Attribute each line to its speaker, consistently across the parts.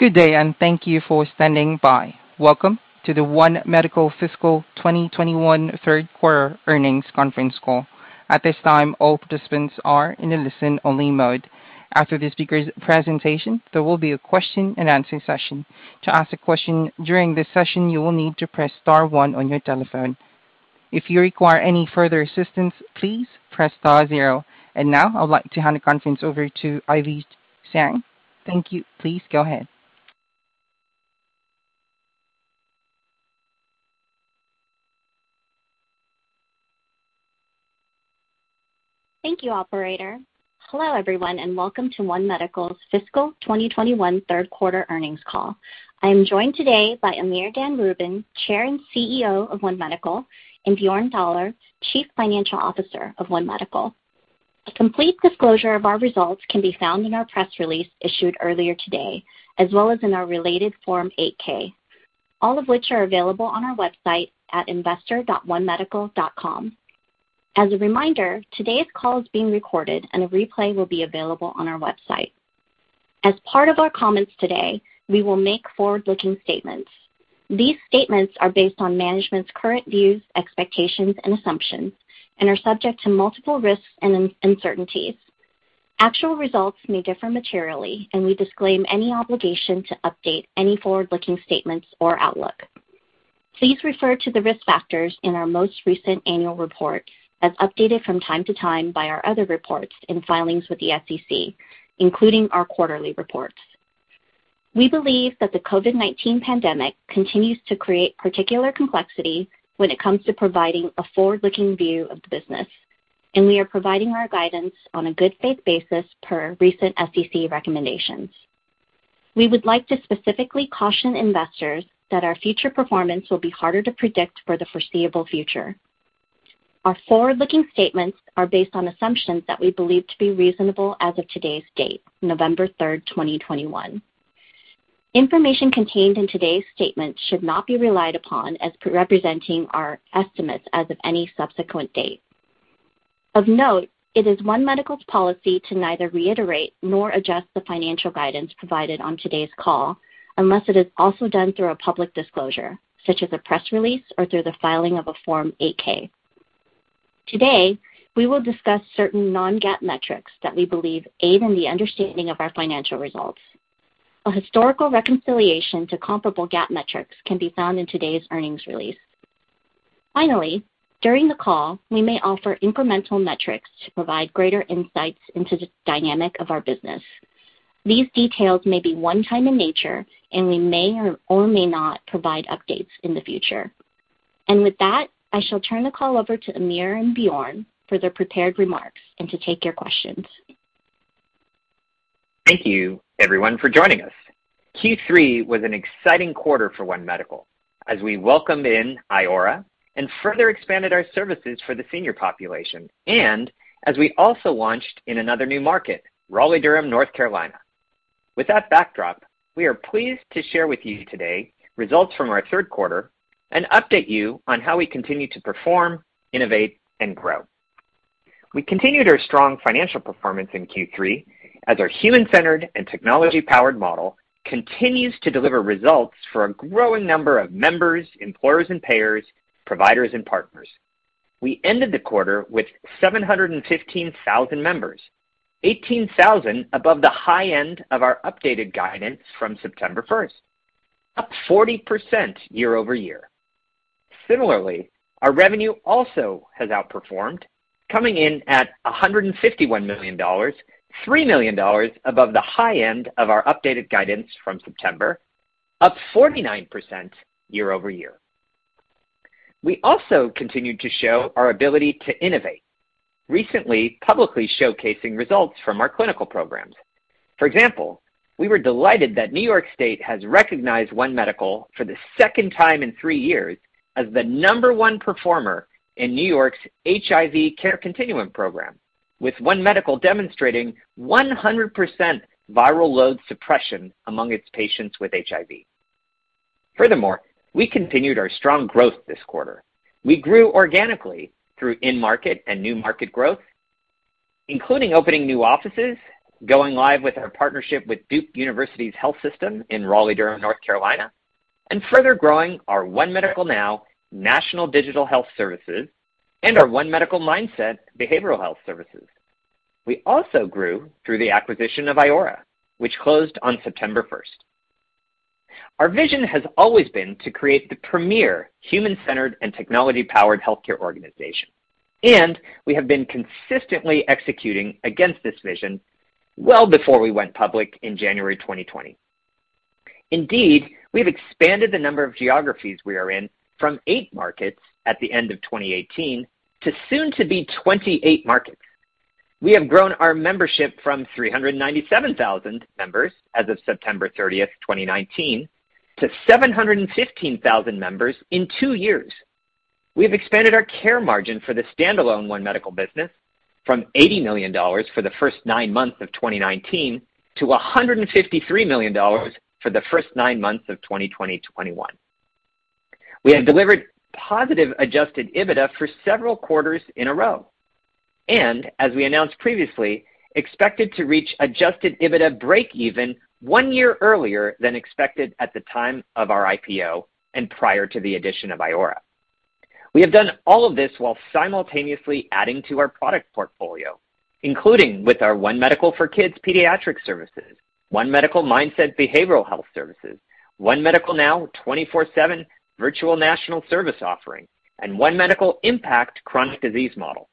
Speaker 1: Good day, and thank you for standing by. Welcome to the One Medical Fiscal 2021 third quarter earnings conference call. At this time, all participants are in a listen-only mode. After the speaker's presentation, there will be a question and answer session. To ask a question during this session, you will need to press star one on your telephone. If you require any further assistance, please press star zero. Now, I'd like to hand the conference over to Ivy Tseng. Thank you. Please go ahead.
Speaker 2: Thank you, operator. Hello, everyone, and welcome to One Medical's fiscal 2021 third quarter earnings call. I am joined today by Amir Dan Rubin, Chair and CEO of One Medical, and Bjorn Thaler, Chief Financial Officer of One Medical. A complete disclosure of our results can be found in our press release issued earlier today, as well as in our related Form 8-K, all of which are available on our website at investor.onemedical.com. As a reminder, today's call is being recorded and a replay will be available on our website. As part of our comments today, we will make forward-looking statements. These statements are based on management's current views, expectations, and assumptions and are subject to multiple risks and uncertainties. Actual results may differ materially, and we disclaim any obligation to update any forward-looking statements or outlook. Please refer to the risk factors in our most recent annual report, as updated from time to time by our other reports and filings with the SEC, including our quarterly reports. We believe that the COVID-19 pandemic continues to create particular complexity when it comes to providing a forward-looking view of the business, and we are providing our guidance on a good faith basis per recent SEC recommendations. We would like to specifically caution investors that our future performance will be harder to predict for the foreseeable future. Our forward-looking statements are based on assumptions that we believe to be reasonable as of today's date, November third, 2021. Information contained in today's statement should not be relied upon as representing our estimates as of any subsequent date. Of note, it is One Medical's policy to neither reiterate nor adjust the financial guidance provided on today's call unless it is also done through a public disclosure, such as a press release or through the filing of a Form 8-K. Today, we will discuss certain non-GAAP metrics that we believe aid in the understanding of our financial results. A historical reconciliation to comparable GAAP metrics can be found in today's earnings release. Finally, during the call, we may offer incremental metrics to provide greater insights into the dynamic of our business. These details may be one time in nature, and we may or may not provide updates in the future. With that, I shall turn the call over to Amir and Bjorn for their prepared remarks and to take your questions.
Speaker 3: Thank you everyone for joining us. Q3 was an exciting quarter for One Medical as we welcome in Iora and further expanded our services for the senior population. As we also launched in another new market, Raleigh-Durham, North Carolina. With that backdrop, we are pleased to share with you today results from our third quarter and update you on how we continue to perform, innovate, and grow. We continued our strong financial performance in Q3 as our human-centered and technology-powered model continues to deliver results for a growing number of members, employers and payers, providers and partners. We ended the quarter with 715,000 members, 18,000 above the high end of our updated guidance from September 1st, up 40% year-over-year. Similarly, our revenue also has outperformed, coming in at $151 million, $3 million above the high end of our updated guidance from September, up 49% year-over-year. We also continued to show our ability to innovate, recently publicly showcasing results from our clinical programs. For example, we were delighted that New York State has recognized One Medical for the second time in three years as the number one performer in New York's HIV Care Continuum program, with One Medical demonstrating 100% viral load suppression among its patients with HIV. Furthermore, we continued our strong growth this quarter. We grew organically through in-market and new market growth, including opening new offices, going live with our partnership with Duke University Health System in Raleigh, Durham, North Carolina, and further growing our One Medical Now national digital health services and our One Medical Mindset behavioral health services. We also grew through the acquisition of Iora, which closed on September 1st. Our vision has always been to create the premier human-centered and technology-powered healthcare organization, and we have been consistently executing against this vision well before we went public in January 2020. Indeed, we've expanded the number of geographies we are in from eight markets at the end of 2018 to soon to be 28 markets. We have grown our membership from 397,000 members as of September 30th, 2019 to 715,000 members in two years. We have expanded our care margin for the standalone One Medical business from $80 million for the first nine months of 2019 to $153 million for the first nine months of 2021. We have delivered positiveAdjusted EBITDA for several quarters in a row. As we announced previously, we expected to reach Adjusted EBITDA breakeven one year earlier than expected at the time of our IPO and prior to the addition of Iora. We have done all of this while simultaneously adding to our product portfolio, including with our One Medical for Kids pediatric services, One Medical Mindset behavioral health services, One Medical Now 24/7 virtual national service offering, and One Medical Impact chronic disease model.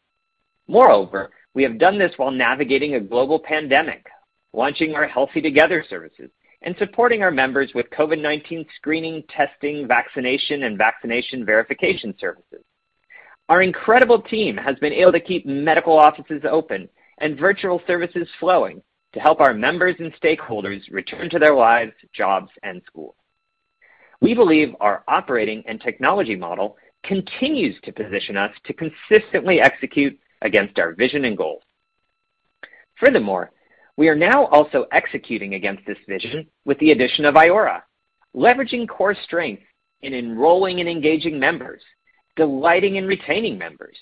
Speaker 3: Moreover, we have done this while navigating a global pandemic, launching our Healthy Together services and supporting our members with COVID-19 screening, testing, vaccination, and vaccination verification services. Our incredible team has been able to keep medical offices open and virtual services flowing to help our members and stakeholders return to their lives, jobs, and schools. We believe our operating and technology model continues to position us to consistently execute against our vision and goals. Furthermore, we are now also executing against this vision with the addition of Iora, leveraging core strengths in enrolling and engaging members, delighting and retaining members,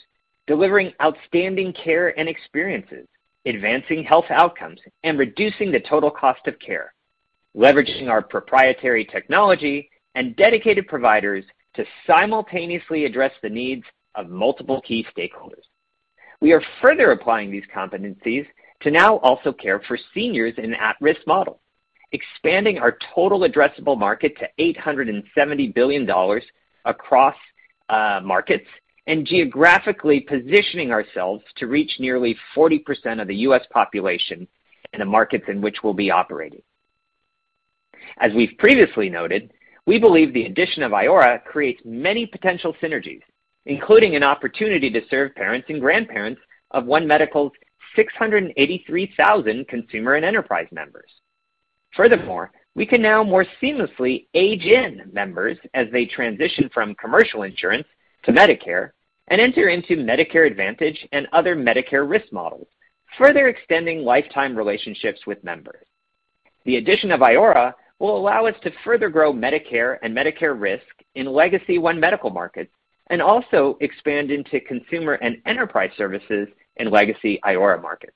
Speaker 3: delivering outstanding care and experiences, advancing health outcomes, and reducing the total cost of care, leveraging our proprietary technology and dedicated providers to simultaneously address the needs of multiple key stakeholders. We are further applying these competencies to now also care for seniors in at-risk models, expanding our total addressable market to $870 billion across markets and geographically positioning ourselves to reach nearly 40% of the U.S. population in the markets in which we'll be operating. As we've previously noted, we believe the addition of Iora creates many potential synergies, including an opportunity to serve parents and grandparents of One Medical's 683,000 consumer and enterprise members. Furthermore, we can now more seamlessly age in members as they transition from commercial insurance to Medicare and enter into Medicare Advantage and other Medicare risk models, further extending lifetime relationships with members. The addition of Iora will allow us to further grow Medicare and Medicare risk in legacy One Medical markets and also expand into consumer and enterprise services in legacy Iora markets.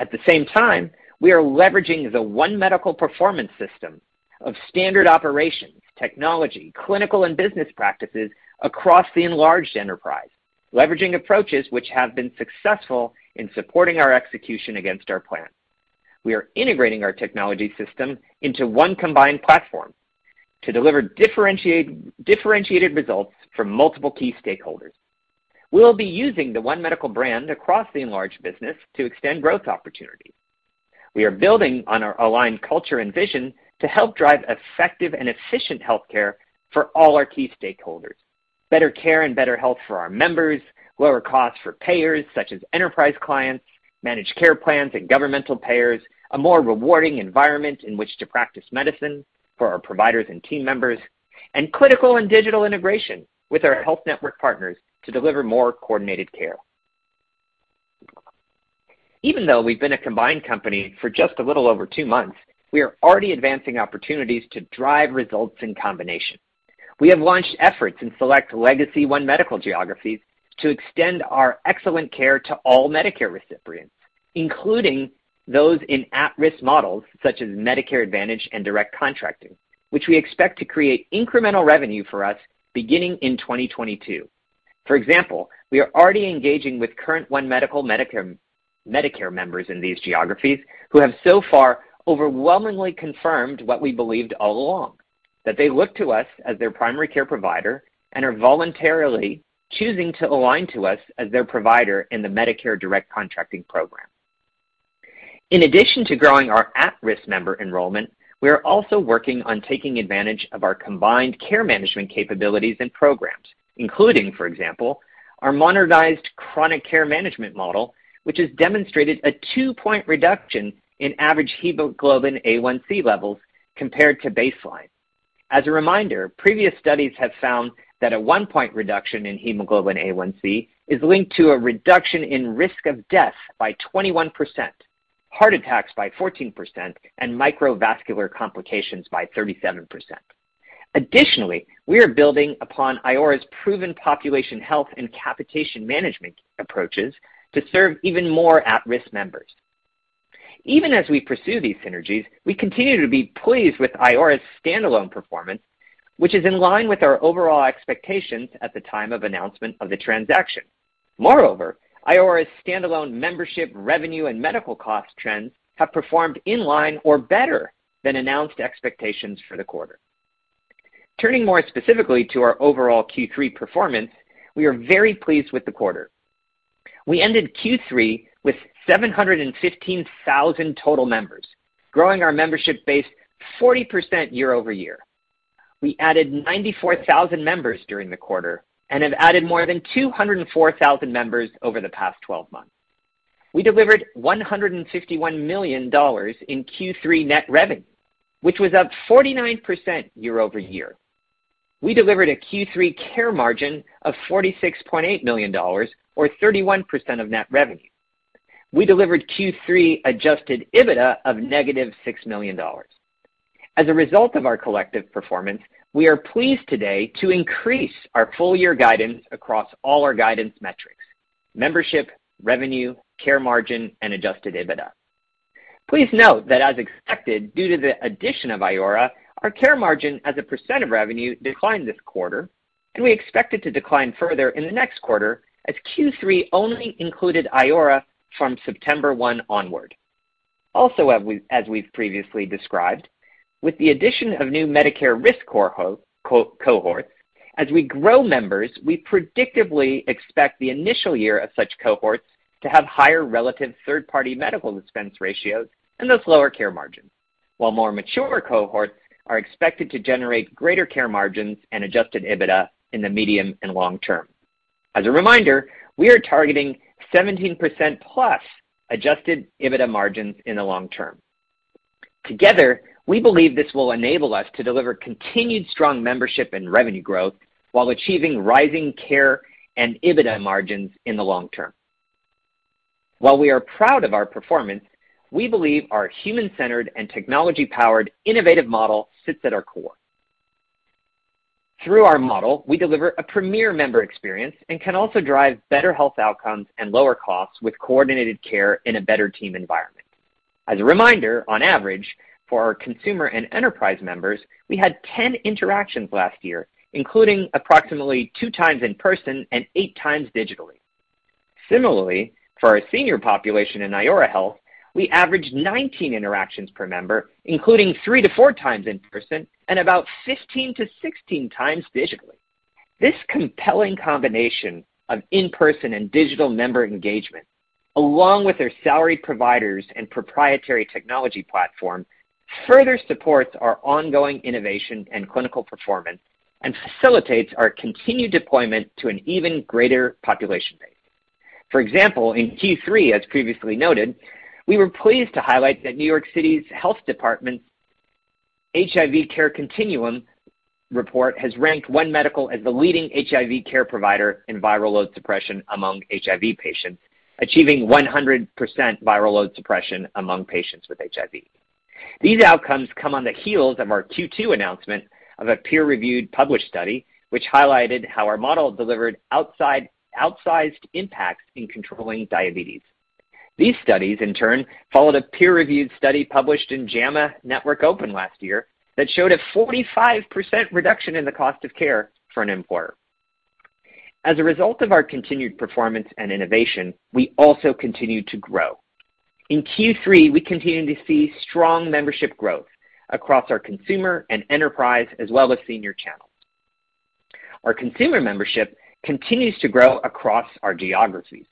Speaker 3: At the same time, we are leveraging the One Medical performance system of standard operations, technology, clinical and business practices across the enlarged enterprise, leveraging approaches which have been successful in supporting our execution against our plan. We are integrating our technology system into one combined platform to deliver differentiated results for multiple key stakeholders. We'll be using the One Medical brand across the enlarged business to extend growth opportunities. We are building on our aligned culture and vision to help drive effective and efficient health care for all our key stakeholders. Better care and better health for our members, lower costs for payers such as enterprise clients, managed care plans, and governmental payers, a more rewarding environment in which to practice medicine for our providers and team members, and clinical and digital integration with our health network partners to deliver more coordinated care. Even though we've been a combined company for just a little over two months, we are already advancing opportunities to drive results in combination. We have launched efforts in select legacy One Medical geographies to extend our excellent care to all Medicare recipients, including those in at-risk models such as Medicare Advantage and Direct Contracting, which we expect to create incremental revenue for us beginning in 2022. For example, we are already engaging with current One Medical Medicare members in these geographies who have so far overwhelmingly confirmed what we believed all along, that they look to us as their primary care provider and are voluntarily choosing to align to us as their provider in the Medicare Direct Contracting program. In addition to growing our at-risk member enrollment, we are also working on taking advantage of our combined care management capabilities and programs, including, for example, our monetized chronic care management model, which has demonstrated a two-point reduction in average hemoglobin A1C levels compared to baseline. As a reminder, previous studies have found that a one-point reduction in hemoglobin A1C is linked to a reduction in risk of death by 21%, heart attacks by 14%, and microvascular complications by 37%. Additionally, we are building upon Iora's proven population health and capitation management approaches to serve even more at-risk members. Even as we pursue these synergies, we continue to be pleased with Iora's standalone performance, which is in line with our overall expectations at the time of announcement of the transaction. Moreover, Iora's standalone membership, revenue, and medical cost trends have performed in line or better than announced expectations for the quarter. Turning more specifically to our overall Q3 performance, we are very pleased with the quarter. We ended Q3 with 715,000 total members, growing our membership base 40% year-over-year. We added 94,000 members during the quarter and have added more than 204,000 members over the past twelve months. We delivered $151 million in Q3 net revenue, which was up 49% year-over-year. We delivered a Q3 care margin of $46.8 million or 31% of net revenue. We delivered Q3 Adjusted EBITDA of -$6 million. As a result of our collective performance, we are pleased today to increase our full year guidance across all our guidance metrics, membership, revenue, care margin, and Adjusted EBITDA. Please note that as expected, due to the addition of Iora, our care margin as a percent of revenue declined this quarter, and we expect it to decline further in the next quarter as Q3 only included Iora from September 1 onward. Also, as we've previously described, with the addition of new Medicare risk cohorts, as we grow members, we predictably expect the initial year of such cohorts to have higher relative third-party medical expense ratios and thus lower care margins. While more mature cohorts are expected to generate greater care margins and Adjusted EBITDA in the medium and long term. As a reminder, we are targeting 17%+ Adjusted EBITDA margins in the long term. Together, we believe this will enable us to deliver continued strong membership and revenue growth while achieving rising care and EBITDA margins in the long term. While we are proud of our performance, we believe our human-centered and technology-powered innovative model sits at our core. Through our model, we deliver a premier member experience and can also drive better health outcomes and lower costs with coordinated care in a better team environment. As a reminder, on average, for our consumer and enterprise members, we had 10 interactions last year, including approximately two times in person and eight times digitally. Similarly, for our senior population in Iora Health, we averaged 19 interactions per member, including three to four times in person and about 15-16 times digitally. This compelling combination of in-person and digital member engagement, along with their primary care providers and proprietary technology platform, further supports our ongoing innovation and clinical performance and facilitates our continued deployment to an even greater population base. For example, in Q3, as previously noted, we were pleased to highlight that New York City's Health Department's HIV Care Continuum report has ranked One Medical as the leading HIV care provider in viral load suppression among HIV patients, achieving 100% viral load suppression among patients with HIV. These outcomes come on the heels of our Q2 announcement of a peer-reviewed published study, which highlighted how our model delivered outsized impacts in controlling diabetes. These studies, in turn, followed a peer-reviewed study published in JAMA Network Open last year that showed a 45% reduction in the cost of care for an employer. As a result of our continued performance and innovation, we also continued to grow. In Q3, we continued to see strong membership growth across our consumer and enterprise, as well as senior channels. Our consumer membership continues to grow across our geographies,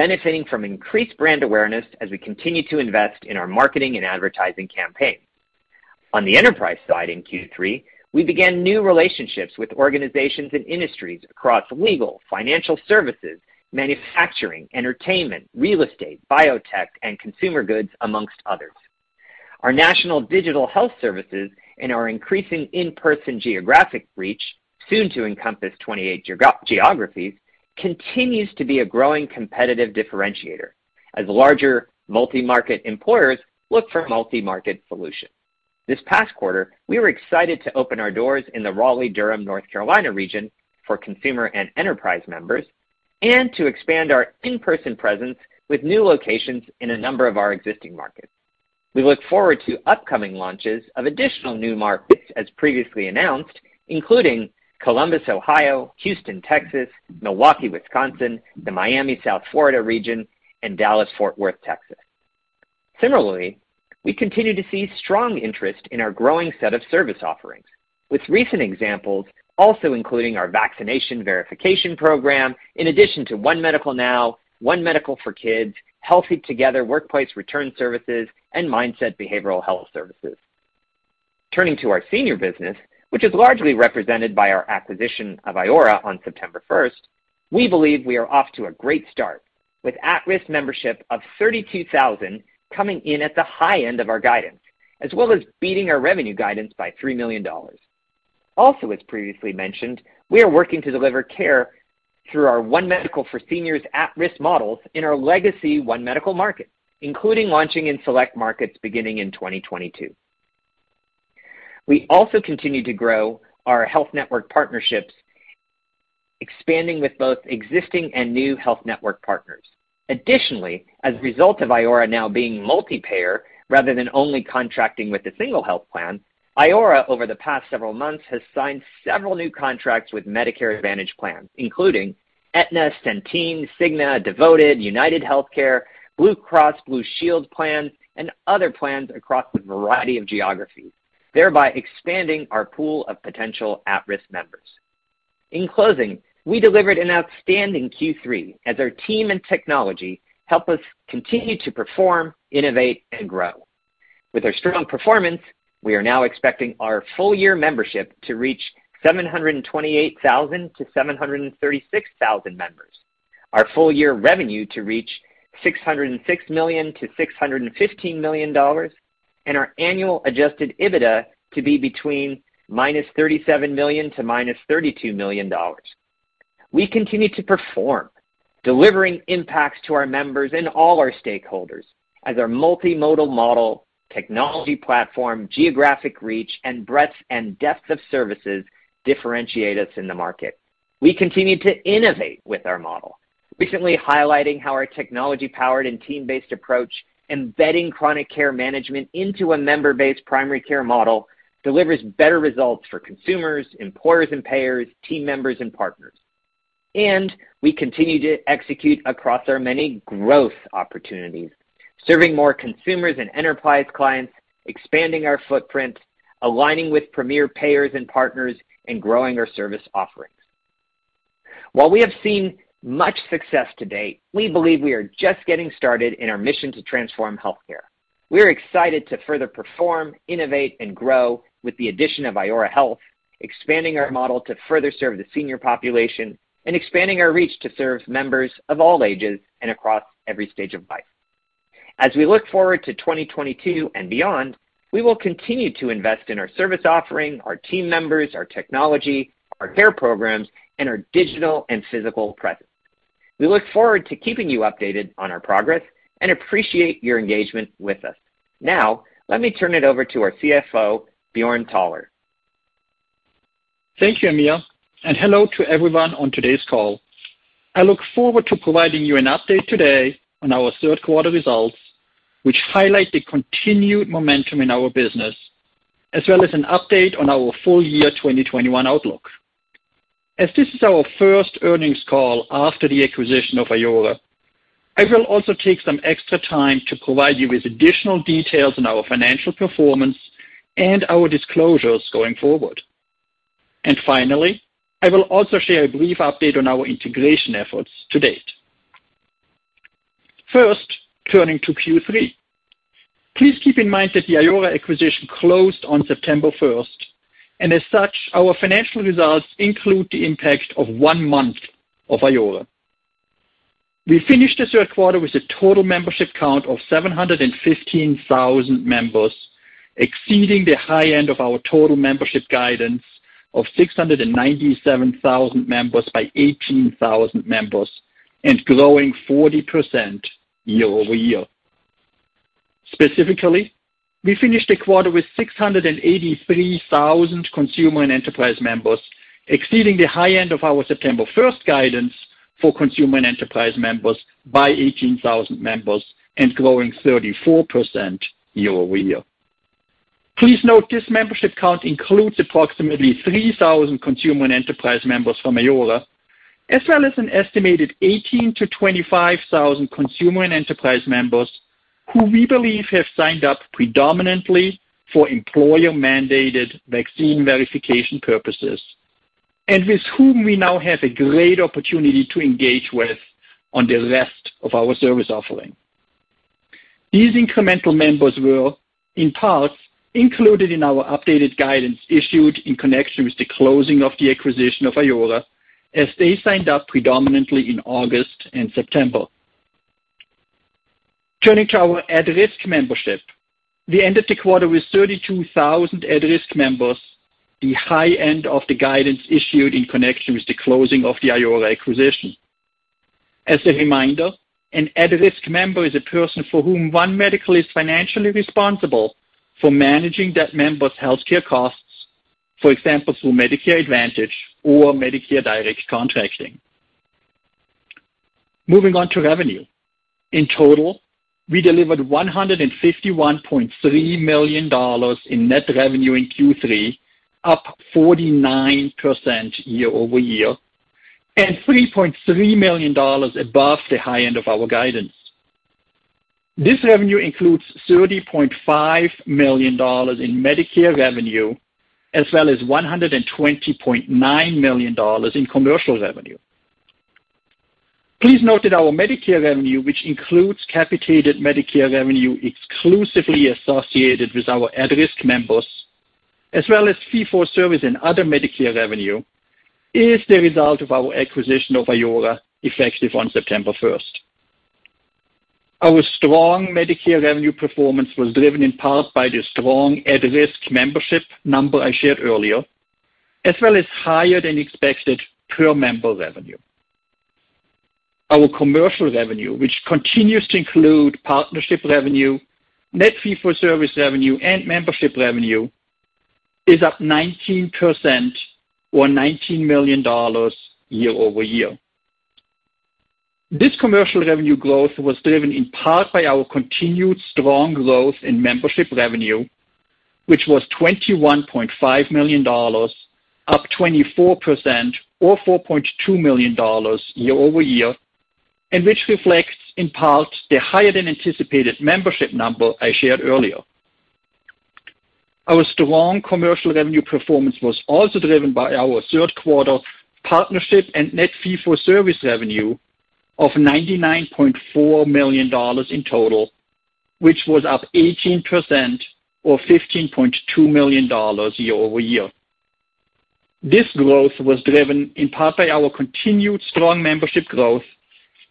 Speaker 3: benefiting from increased brand awareness as we continue to invest in our marketing and advertising campaigns. On the enterprise side in Q3, we began new relationships with organizations and industries across legal, financial services, manufacturing, entertainment, real estate, biotech, and consumer goods, among others. Our national digital health services and our increasing in-person geographic reach, soon to encompass 28 geographies, continues to be a growing competitive differentiator as larger multi-market employers look for multi-market solutions. This past quarter, we were excited to open our doors in the Raleigh-Durham, North Carolina region for consumer and enterprise members and to expand our in-person presence with new locations in a number of our existing markets. We look forward to upcoming launches of additional new markets as previously announced, including Columbus, Ohio, Houston, Texas, Milwaukee, Wisconsin, the Miami South Florida region, and Dallas-Fort Worth, Texas. Similarly, we continue to see strong interest in our growing set of service offerings, with recent examples also including our vaccination verification program, in addition to One Medical Now, One Medical for Kids, Healthy Together, and Mindset by One Medical. Turning to our senior business, which is largely represented by our acquisition of Iora on September 1st, we believe we are off to a great start with at-risk membership of 32,000 coming in at the high end of our guidance, as well as beating our revenue guidance by $3 million. Also, as previously mentioned, we are working to deliver care through our One Medical for Seniors at-risk models in our legacy One Medical markets, including launching in select markets beginning in 2022. We also continue to grow our health network partnerships, expanding with both existing and new health network partners. Additionally, as a result of Iora now being multi-payer rather than only contracting with a single health plan, Iora, over the past several months, has signed several new contracts with Medicare Advantage plans, including Aetna, Centene, Cigna, Devoted, UnitedHealthcare, Blue Cross Blue Shield plans, and other plans across a variety of geographies, thereby expanding our pool of potential at-risk members. In closing, we delivered an outstanding Q3 as our team and technology help us continue to perform, innovate, and grow. With our strong performance, we are now expecting our full year membership to reach 728,000-736,000 members, our full year revenue to reach $606 million-$615 million, and our annual Adjusted EBITDA to be between -$37 million-$32 million. We continue to perform, delivering impacts to our members and all our stakeholders as our multimodal model, technology platform, geographic reach, and breadth and depth of services differentiate us in the market. We continue to innovate with our model, recently highlighting how our technology-powered and team-based approach, embedding chronic care management into a member-based primary care model, delivers better results for consumers, employers and payers, team members and partners. We continue to execute across our many growth opportunities, serving more consumers and enterprise clients, expanding our footprint, aligning with premier payers and partners, and growing our service offerings. While we have seen much success to date, we believe we are just getting started in our mission to transform healthcare. We're excited to further perform, innovate, and grow with the addition of Iora Health, expanding our model to further serve the senior population and expanding our reach to serve members of all ages and across every stage of life. As we look forward to 2022 and beyond, we will continue to invest in our service offering, our team members, our technology, our care programs, and our digital and physical presence. We look forward to keeping you updated on our progress and appreciate your engagement with us. Now, let me turn it over to our CFO, Bjorn Thaler.
Speaker 4: Thank you, Amir, and hello to everyone on today's call. I look forward to providing you an update today on our third quarter results, which highlight the continued momentum in our business, as well as an update on our full year 2021 outlook. As this is our first earnings call after the acquisition of Iora, I will also take some extra time to provide you with additional details on our financial performance and our disclosures going forward. Finally, I will also share a brief update on our integration efforts to date. First, turning to Q3. Please keep in mind that the Iora acquisition closed on September 1st, and as such, our financial results include the impact of one month of Iora. We finished the third quarter with a total membership count of 715,000 members, exceeding the high end of our total membership guidance of 697,000 members by 18,000 members and growing 40% year-over-year. Specifically, we finished the quarter with 683,000 consumer and enterprise members, exceeding the high end of our September first guidance for consumer and enterprise members by 18,000 members and growing 34% year-over-year. Please note this membership count includes approximately 3,000 consumer and enterprise members from Iora, as well as an estimated 18,000-25,000 consumer and enterprise members who we believe have signed up predominantly for employer-mandated vaccine verification purposes, and with whom we now have a great opportunity to engage with on the rest of our service offering. These incremental members were, in part, included in our updated guidance issued in connection with the closing of the acquisition of Iora, as they signed up predominantly in August and September. Turning to our at-risk membership. We ended the quarter with 32,000 at-risk members, the high end of the guidance issued in connection with the closing of the Iora acquisition. As a reminder, an at-risk member is a person for whom One Medical is financially responsible for managing that member's healthcare costs, for example, through Medicare Advantage or Medicare Direct Contracting. Moving on to revenue. In total, we delivered $151.3 million in net revenue in Q3, up 49% year-over-year, and $3.3 million above the high end of our guidance. This revenue includes $30.5 million in Medicare revenue, as well as $120.9 million in commercial revenue. Please note that our Medicare revenue, which includes capitated Medicare revenue exclusively associated with our at-risk members, as well as fee-for-service and other Medicare revenue, is the result of our acquisition of Iora, effective on September 1st. Our strong Medicare revenue performance was driven in part by the strong at-risk membership number I shared earlier, as well as higher than expected per-member revenue. Our commercial revenue, which continues to include partnership revenue, net fee-for-service revenue, and membership revenue, is up 19% or $19 million year-over-year. This commercial revenue growth was driven in part by our continued strong growth in membership revenue, which was $21.5 million, up 24% or $4.2 million year-over-year, and which reflects in part the higher than anticipated membership number I shared earlier. Our strong commercial revenue performance was also driven by our third quarter partnership and net fee-for-service revenue of $99.4 million in total, which was up 18% or $15.2 million year-over-year. This growth was driven in part by our continued strong membership growth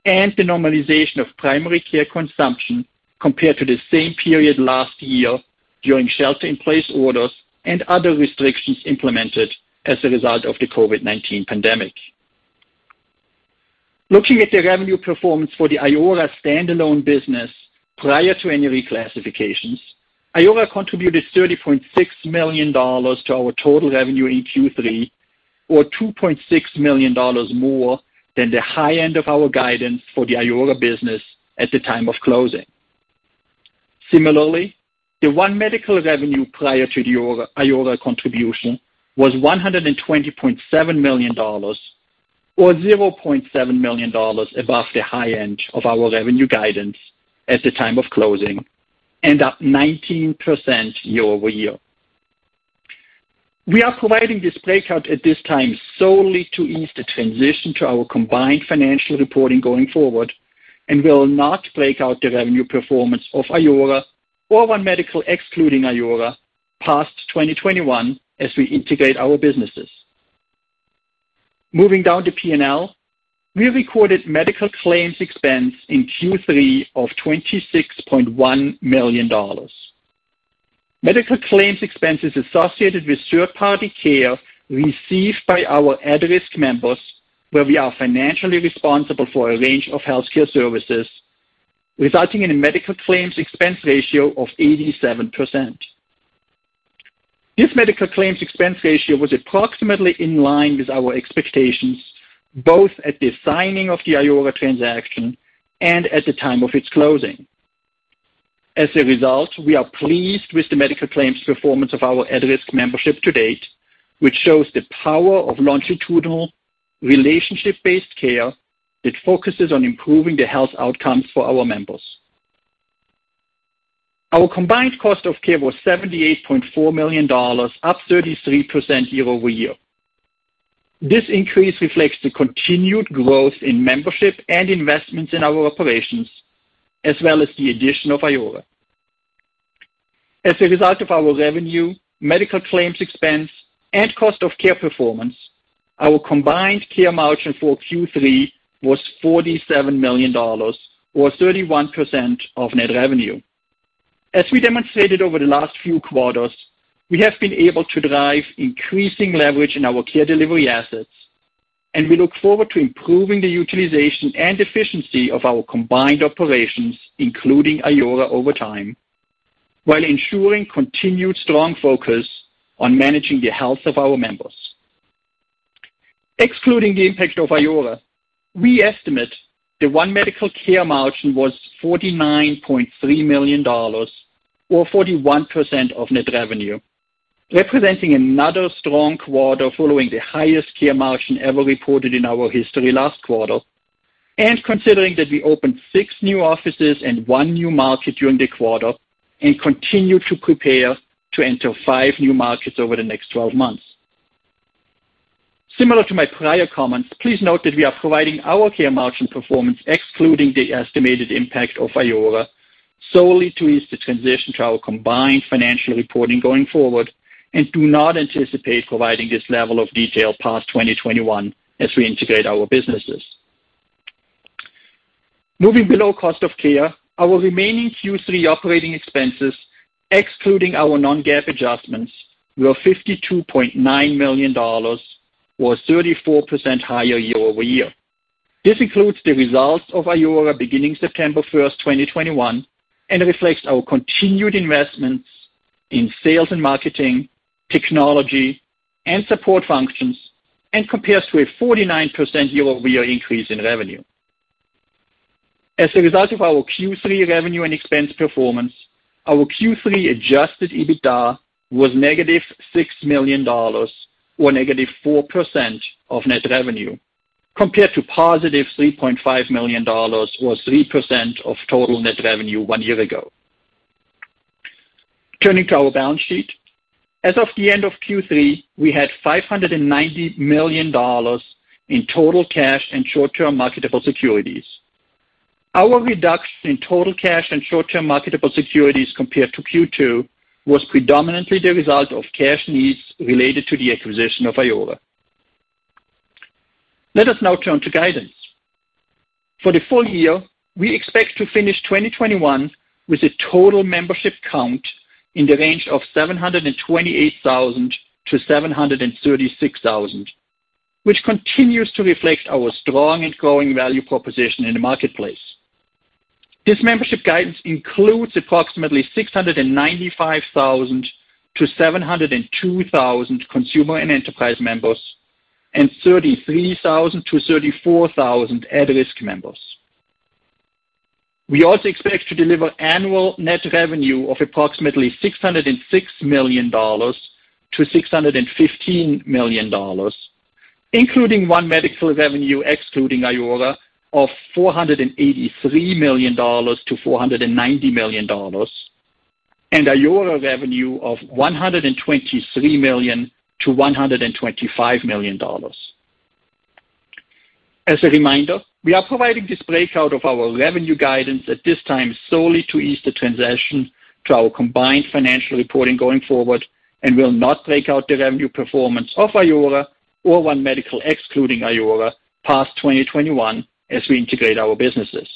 Speaker 4: and the normalization of primary care consumption compared to the same period last year during shelter-in-place orders and other restrictions implemented as a result of the COVID-19 pandemic. Looking at the revenue performance for the Iora standalone business prior to any reclassifications, Iora contributed $30.6 million to our total revenue in Q3, or $2.6 million more than the high end of our guidance for the Iora business at the time of closing. Similarly, the One Medical revenue prior to the Iora contribution was $120.7 million, or $0.7 million above the high end of our revenue guidance at the time of closing, and up 19% year-over-year. We are providing this breakout at this time solely to ease the transition to our combined financial reporting going forward, and will not break out the revenue performance of Iora or One Medical excluding Iora past 2021 as we integrate our businesses. Moving down to P&L, we recorded medical claims expense in Q3 of $26.1 million. Medical claims expenses associated with third-party care received by our at-risk members, where we are financially responsible for a range of healthcare services, resulting in a medical claims expense ratio of 87%. This medical claims expense ratio was approximately in line with our expectations, both at the signing of the Iora transaction and at the time of its closing. As a result, we are pleased with the medical claims performance of our at-risk membership to date, which shows the power of longitudinal relationship-based care that focuses on improving the health outcomes for our members. Our combined cost of care was $78.4 million, up 33% year-over-year. This increase reflects the continued growth in membership and investments in our operations, as well as the addition of Iora. As a result of our revenue, medical claims expense, and cost of care performance, our combined Care Margin for Q3 was $47 million, or 31% of net revenue. We demonstrated over the last few quarters, we have been able to drive increasing leverage in our care delivery assets, and we look forward to improving the utilization and efficiency of our combined operations, including Iora over time, while ensuring continued strong focus on managing the health of our members. Excluding the impact of Iora, we estimate the One Medical Care Margin was $49.3 million, or 41% of net revenue, representing another strong quarter following the highest Care Margin ever reported in our history last quarter, and considering that we opened six new offices and one new market during the quarter and continue to prepare to enter five new markets over the next 12 months. Similar to my prior comments, please note that we are providing our care margin performance excluding the estimated impact of Iora solely to ease the transition to our combined financial reporting going forward and do not anticipate providing this level of detail past 2021 as we integrate our businesses. Moving below cost of care, our remaining Q3 operating expenses, excluding our non-GAAP adjustments, were $52.9 million, or 34% higher year-over-year. This includes the results of Iora beginning September 1st, 2021, and reflects our continued investments in sales and marketing, technology, and support functions, and compares to a 49% year-over-year increase in revenue. As a result of our Q3 revenue and expense performance, our Q3 Adjusted EBITDA was negative $6 million, or negative 4% of net revenue, compared to positive $3.5 million, or 3% of total net revenue one year ago. Turning to our balance sheet. As of the end of Q3, we had $590 million in total cash and short-term marketable securities. Our reduction in total cash and short-term marketable securities compared to Q2 was predominantly the result of cash needs related to the acquisition of Iora. Let us now turn to guidance. For the full year, we expect to finish 2021 with a total membership count in the range of 728,000-736,000, which continues to reflect our strong and growing value proposition in the marketplace. This membership guidance includes approximately 695,000-702,000 consumer and enterprise members, and 33,000-34,000 at-risk members. We also expect to deliver annual net revenue of approximately $606 million-$615 million, including One Medical revenue excluding Iora of $483 million-$490 million, and Iora revenue of $123 million-$125 million. As a reminder, we are providing this breakout of our revenue guidance at this time solely to ease the transition to our combined financial reporting going forward and will not break out the revenue performance of Iora or One Medical excluding Iora past 2021 as we integrate our businesses.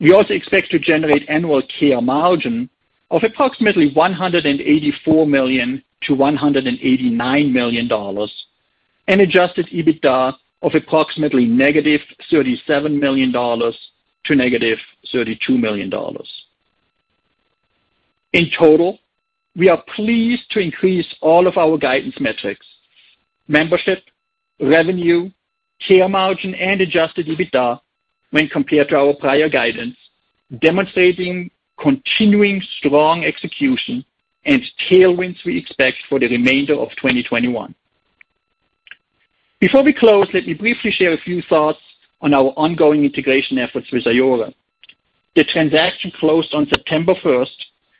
Speaker 4: We also expect to generate annual care margin of approximately $184 million-$189 million and Adjusted EBITDA of approximately -$37 million to -$32 million. In total, we are pleased to increase all of our guidance metrics, membership, revenue, care margin, and Adjusted EBITDA when compared to our prior guidance, demonstrating continuing strong execution and tailwinds we expect for the remainder of 2021. Before we close, let me briefly share a few thoughts on our ongoing integration efforts with Iora. The transaction closed on September 1st,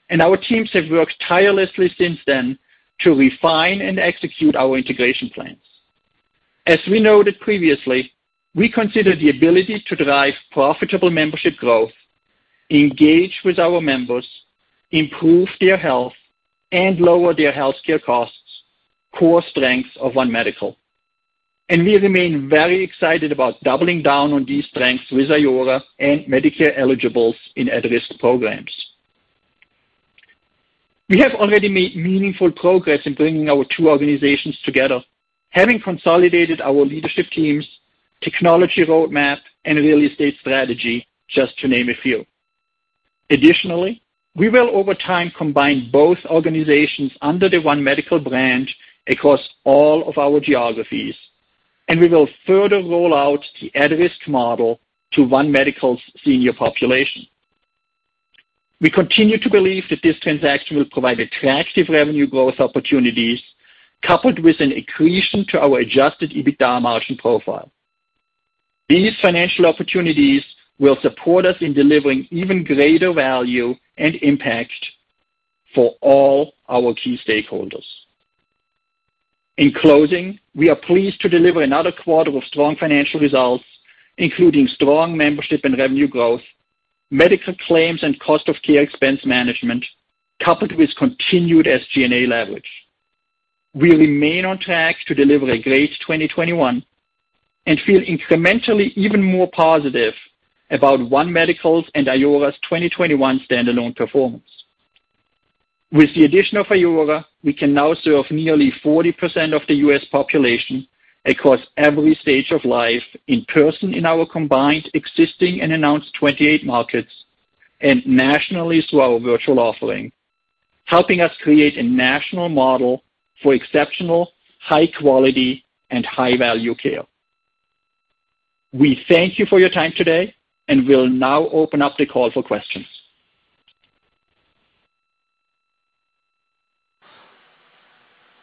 Speaker 4: and our teams have worked tirelessly since then to refine and execute our integration plans. As we noted previously, we consider the ability to drive profitable membership growth, engage with our members, improve their health, and lower their healthcare costs core strengths of One Medical. We remain very excited about doubling down on these strengths with Iora and Medicare-eligibles in at-risk programs. We have already made meaningful progress in bringing our two organizations together, having consolidated our leadership teams, technology roadmap, and real estate strategy, just to name a few. Additionally, we will over time combine both organizations under the One Medical brand across all of our geographies, and we will further roll out the at-risk model to One Medical's senior population. We continue to believe that this transaction will provide attractive revenue growth opportunities, coupled with an accretion to our Adjusted EBITDA margin profile. These financial opportunities will support us in delivering even greater value and impact for all our key stakeholders. In closing, we are pleased to deliver another quarter of strong financial results, including strong membership and revenue growth, medical claims, and cost of care expense management, coupled with continued SG&A leverage. We remain on track to deliver a great 2021 and feel incrementally even more positive about One Medical's and Iora's 2021 standalone performance. With the addition of Iora, we can now serve nearly 40% of the U.S. population across every stage of life in person in our combined existing and announced 28 markets and nationally through our virtual offering, helping us create a national model for exceptional, high quality, and high value care. We thank you for your time today, and we'll now open up the call for questions.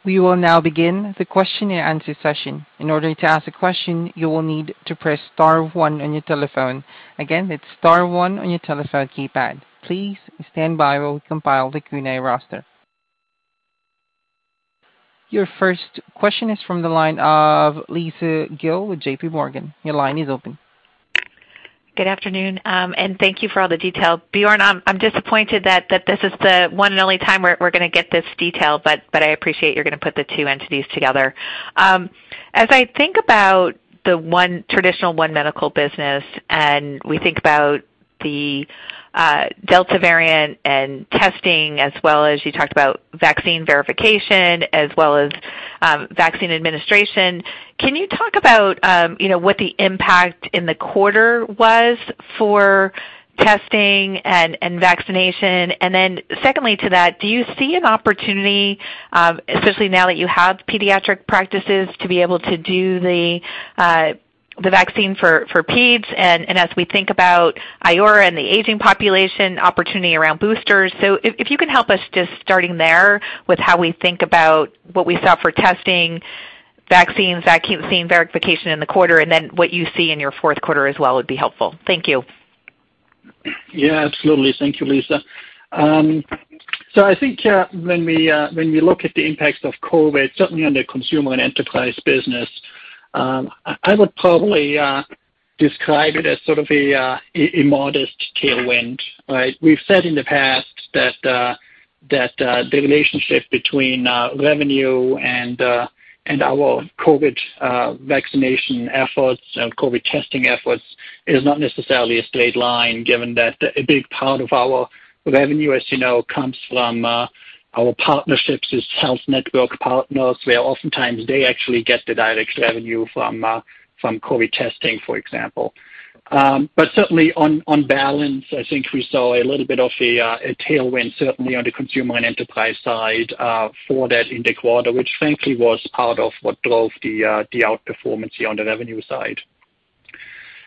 Speaker 1: We will now begin the question and answer session. In order to ask a question, you will need to press star one on your telephone. Again, it's star one on your telephone keypad. Please stand by while we compile the Q&A roster. Your first question is from the line of Lisa Gill with JPMorgan. Your line is open.
Speaker 5: Good afternoon, and thank you for all the detail. Bjorn, I'm disappointed that this is the one and only time we're gonna get this detail, but I appreciate you're gonna put the two entities together. As I think about the traditional One Medical business, and we think about the Delta variant and testing as well as you talked about vaccine verification as well as vaccine administration, can you talk about you know, what the impact in the quarter was for testing and vaccination? Then secondly to that, do you see an opportunity, especially now that you have pediatric practices, to be able to do the vaccine for peds and as we think about Iora and the aging population opportunity around boosters? If you can help us just starting there with how we think about what we saw for testing, vaccines, vaccine verification in the quarter, and then what you see in your fourth quarter as well would be helpful. Thank you.
Speaker 4: Yeah, absolutely. Thank you, Lisa. So I think when we look at the impacts of COVID, certainly on the consumer and enterprise business, I would probably describe it as sort of a modest tailwind, right? We've said in the past that the relationship between revenue and our COVID vaccination efforts and COVID testing efforts is not necessarily a straight line, given that a big part of our revenue, as you know, comes from our partnerships with health network partners, where oftentimes they actually get the direct revenue from COVID testing, for example. Certainly on balance, I think we saw a little bit of a tailwind, certainly on the consumer and enterprise side, for that in the quarter, which frankly was part of what drove the outperformance here on the revenue side.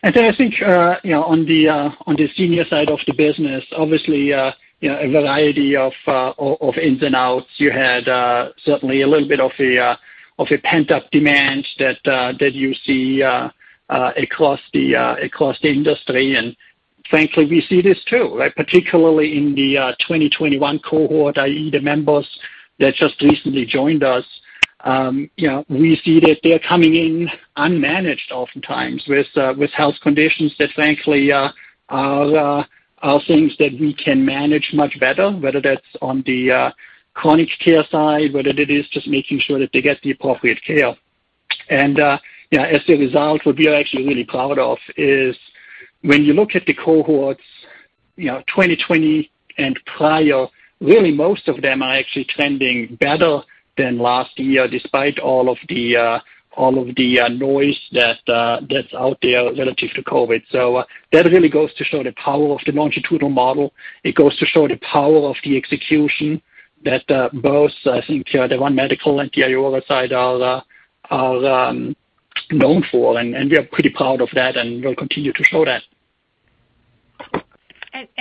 Speaker 4: I think, you know, on the senior side of the business, obviously, a variety of ins and outs. You had certainly a little bit of a pent-up demand that you see across the industry. Frankly, we see this too, right, particularly in the 2021 cohort, i.e., the members that just recently joined us. You know, we see that they're coming in unmanaged oftentimes with health conditions that frankly are things that we can manage much better, whether that's on the chronic care side, whether it is just making sure that they get the appropriate care. You know, as a result, what we are actually really proud of is when you look at the cohorts, you know, 2020 and prior, really most of them are actually trending better than last year, despite all of the noise that's out there relative to COVID. That really goes to show the power of the longitudinal model. It goes to show the power of the execution that both, I think, the One Medical and the Iora side are known for, and we are pretty proud of that, and we'll continue to show that.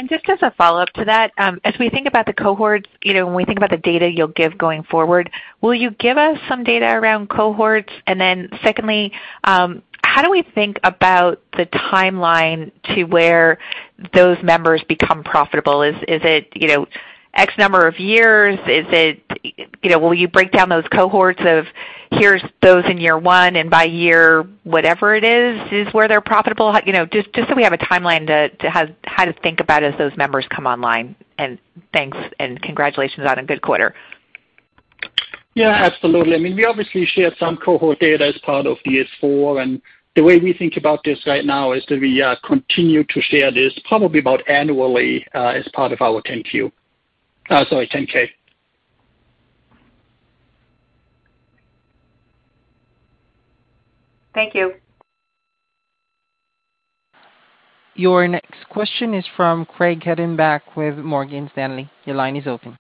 Speaker 5: Just as a follow-up to that, as we think about the cohorts, you know, when we think about the data you'll give going forward, will you give us some data around cohorts? Then secondly, how do we think about the timeline to where those members become profitable? Is it you know X number of years? Will you break down those cohorts of here's those in year one and by year whatever it is is where they're profitable? You know, just so we have a timeline to how to think about as those members come online. Thanks and congratulations on a good quarter.
Speaker 4: Yeah, absolutely. I mean, we obviously shared some cohort data as part of the S-4, and the way we think about this right now is that we continue to share this probably about annually, as part of our 10-K.
Speaker 5: Thank you.
Speaker 1: Your next question is from Craig Hettenbach with Morgan Stanley. Your line is open.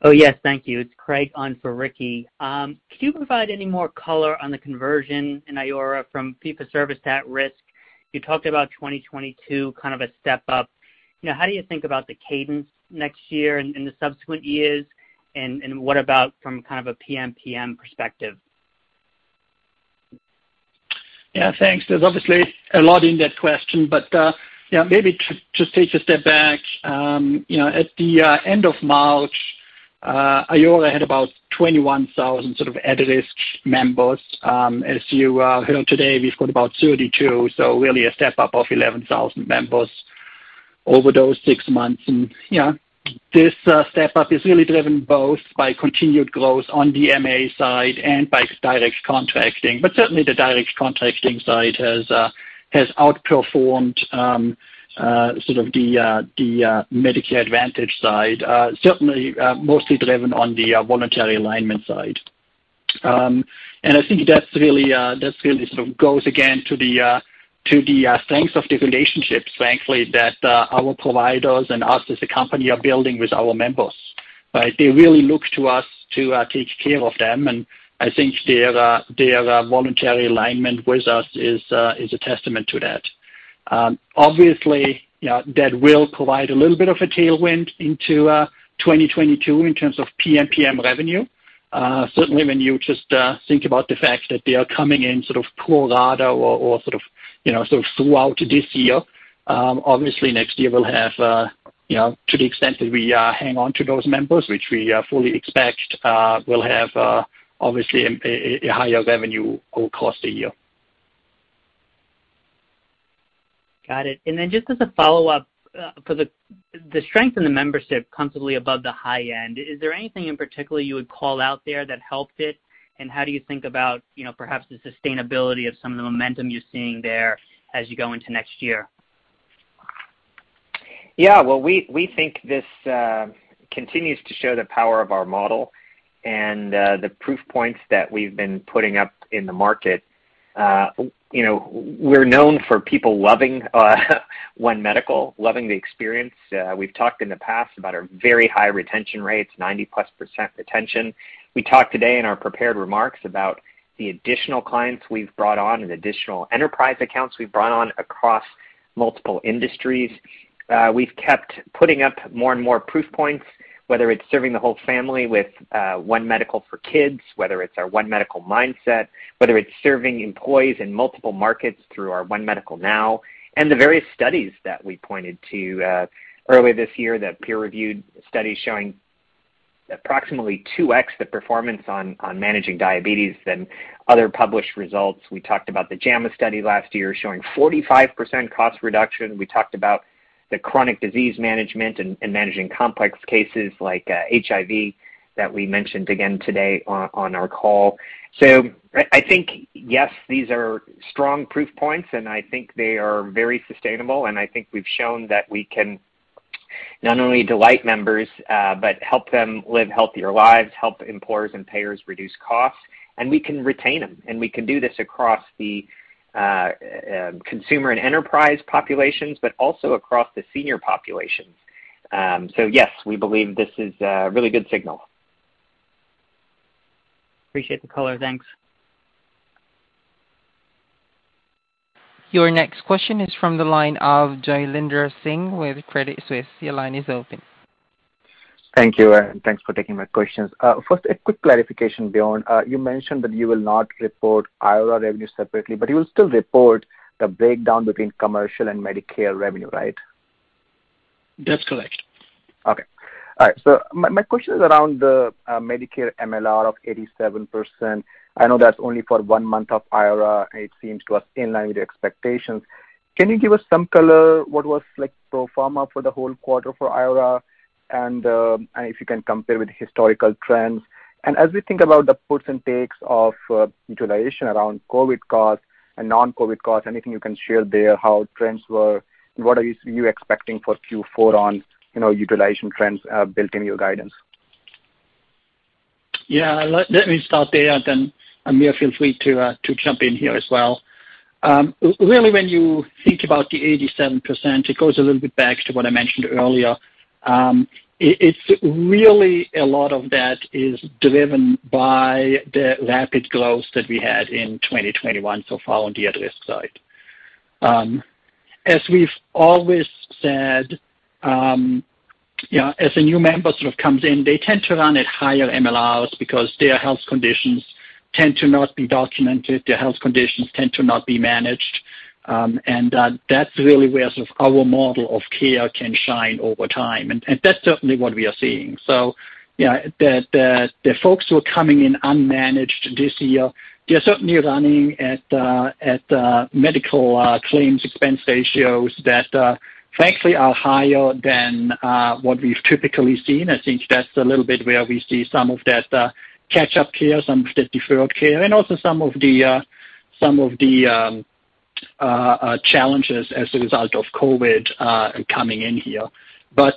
Speaker 6: Oh, yes. Thank you. It's Craig on for Ricky. Could you provide any more color on the conversion in Iora from fee-for-service to at-risk? You talked about 2022 kind of a step-up. You know, how do you think about the cadence next year and in the subsequent years? What about from kind of a PMPM perspective?
Speaker 4: Yeah, thanks. There's obviously a lot in that question. Maybe to just take a step back, at the end of March, Iora had about 21,000 sort of at-risk members. As you heard today, we've got about 32,000, so really a step-up of 11,000 members over those six months. This step-up is really driven both by continued growth on the MA side and by direct contracting. Certainly the direct contracting side has outperformed sort of the Medicare Advantage side, certainly, mostly driven on the voluntary alignment side. I think that's really sort of goes to the strengths of the relationships, frankly, that our providers and us as a company are building with our members, right? They really look to us to take care of them, and I think their voluntary alignment with us is a testament to that. Obviously, you know, that will provide a little bit of a tailwind into 2022 in terms of PMPM revenue. Certainly when you just think about the fact that they are coming in sort of pro rata or sort of, you know, sort of throughout this year, obviously next year we'll have, you know, to the extent that we hang on to those members, which we fully expect, we'll have obviously a higher revenue all across the year.
Speaker 6: Got it. Just as a follow-up, for the strength in the membership comfortably above the high end, is there anything in particular you would call out there that helped it? How do you think about, you know, perhaps the sustainability of some of the momentum you're seeing there as you go into next year?
Speaker 4: Yeah. Well, we think this continues to show the power of our model and the proof points that we've been putting up in the market. You know, we're known for people loving One Medical, loving the experience. We've talked in the past about our very high retention rates, 90%+ retention. We talked today in our prepared remarks about the additional clients we've brought on and additional enterprise accounts we've brought on across multiple industries. We've kept putting up more and more proof points, whether it's serving the whole family with One Medical for Kids, whether it's our One Medical Mindset, whether it's serving employees in multiple markets through our One Medical Now, and the various studies that we pointed to earlier this year, the peer-reviewed studies showing approximately 2x the performance on managing diabetes than other published results. We talked about the JAMA study last year showing 45% cost reduction. We talked about the chronic disease management and managing complex cases like HIV that we mentioned again today on our call. I think, yes, these are strong proof points, and I think they are very sustainable. I think we've shown that we can not only delight members, but help them live healthier lives, help employers and payers reduce costs, and we can retain them, and we can do this across the consumer and enterprise populations, but also across the senior populations. Yes, we believe this is a really good signal.
Speaker 6: Appreciate the color. Thanks.
Speaker 1: Your next question is from the line of Jailendra Singh with Credit Suisse. Your line is open.
Speaker 7: Thank you, and thanks for taking my questions. First, a quick clarification, Bjorn. You mentioned that you will not report Iora revenue separately, but you'll still report the breakdown between commercial and Medicare revenue, right?
Speaker 4: That's correct.
Speaker 7: Okay. All right. My question is around the Medicare MLR of 87%. I know that's only for one month of Iora, and it seems to us in line with the expectations. Can you give us some color what was like pro forma for the whole quarter for Iora, and if you can compare with historical trends? As we think about the puts and takes of utilization around COVID costs and non-COVID costs, anything you can share there, how trends were and what are you expecting for Q4 on, you know, utilization trends built in your guidance?
Speaker 4: Yeah. Let me start there, and then, Amir, feel free to jump in here as well. Really when you think about the 87%, it goes a little bit back to what I mentioned earlier. It's really a lot of that is driven by the rapid growth that we had in 2021, so far on the at-risk side. As we've always said, you know, as a new member sort of comes in, they tend to run at higher MLRs because their health conditions tend to not be documented, their health conditions tend to not be managed, and that's really where sort of our model of care can shine over time. That's certainly what we are seeing. You know, the folks who are coming in unmanaged this year, they're certainly running at medical claims expense ratios that frankly are higher than what we've typically seen. I think that's a little bit where we see some of that catch-up care, some of that deferred care, and also some of the challenges as a result of COVID coming in here. As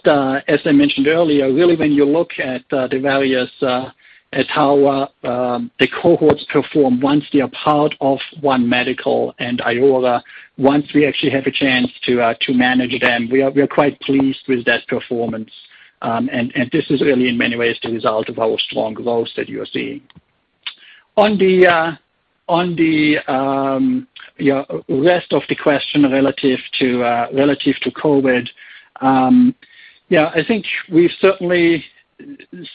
Speaker 4: I mentioned earlier, really when you look at the various cohorts perform once they are part of One Medical and Iora, once we actually have a chance to manage them, we are quite pleased with that performance. This is really in many ways the result of our strong growth that you are seeing. Rest of the question relative to COVID, I think we've certainly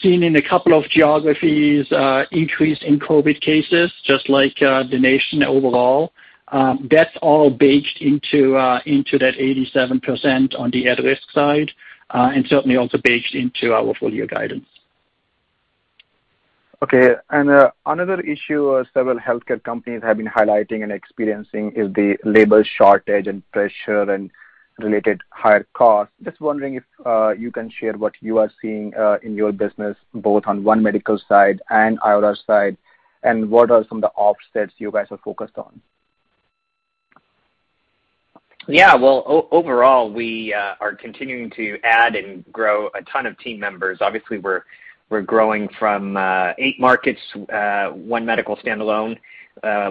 Speaker 4: seen in a couple of geographies increase in COVID cases, just like the nation overall. That's all baked into that 87% on the at-risk side, and certainly also baked into our full year guidance.
Speaker 7: Okay. Another issue several healthcare companies have been highlighting and experiencing is the labor shortage and pressure and related higher costs. Just wondering if you can share what you are seeing in your business, both on One Medical side and Iora side, and what are some of the offsets you guys are focused on.
Speaker 3: Yeah. Well, overall, we are continuing to add and grow a ton of team members. Obviously, we're growing from eight markets, One Medical standalone,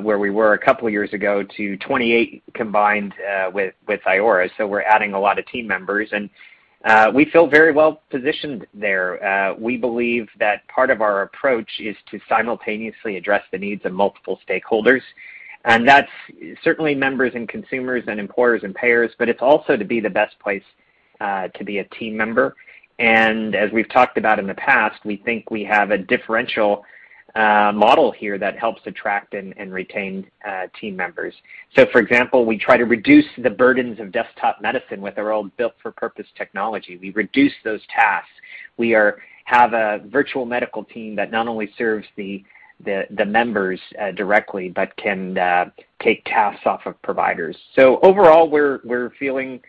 Speaker 3: where we were a couple of years ago, to 28 combined, with Iora. We're adding a lot of team members. We feel very well positioned there. We believe that part of our approach is to simultaneously address the needs of multiple stakeholders. That's certainly members and consumers and employers and payers, but it's also to be the best place to be a team member. As we've talked about in the past, we think we have a differential model here that helps attract and retain team members. For example, we try to reduce the burdens of desktop medicine with our own built-for-purpose technology. We reduce those tasks. We have a virtual medical team that not only serves the members directly, but can take tasks off of providers. Overall, we're feeling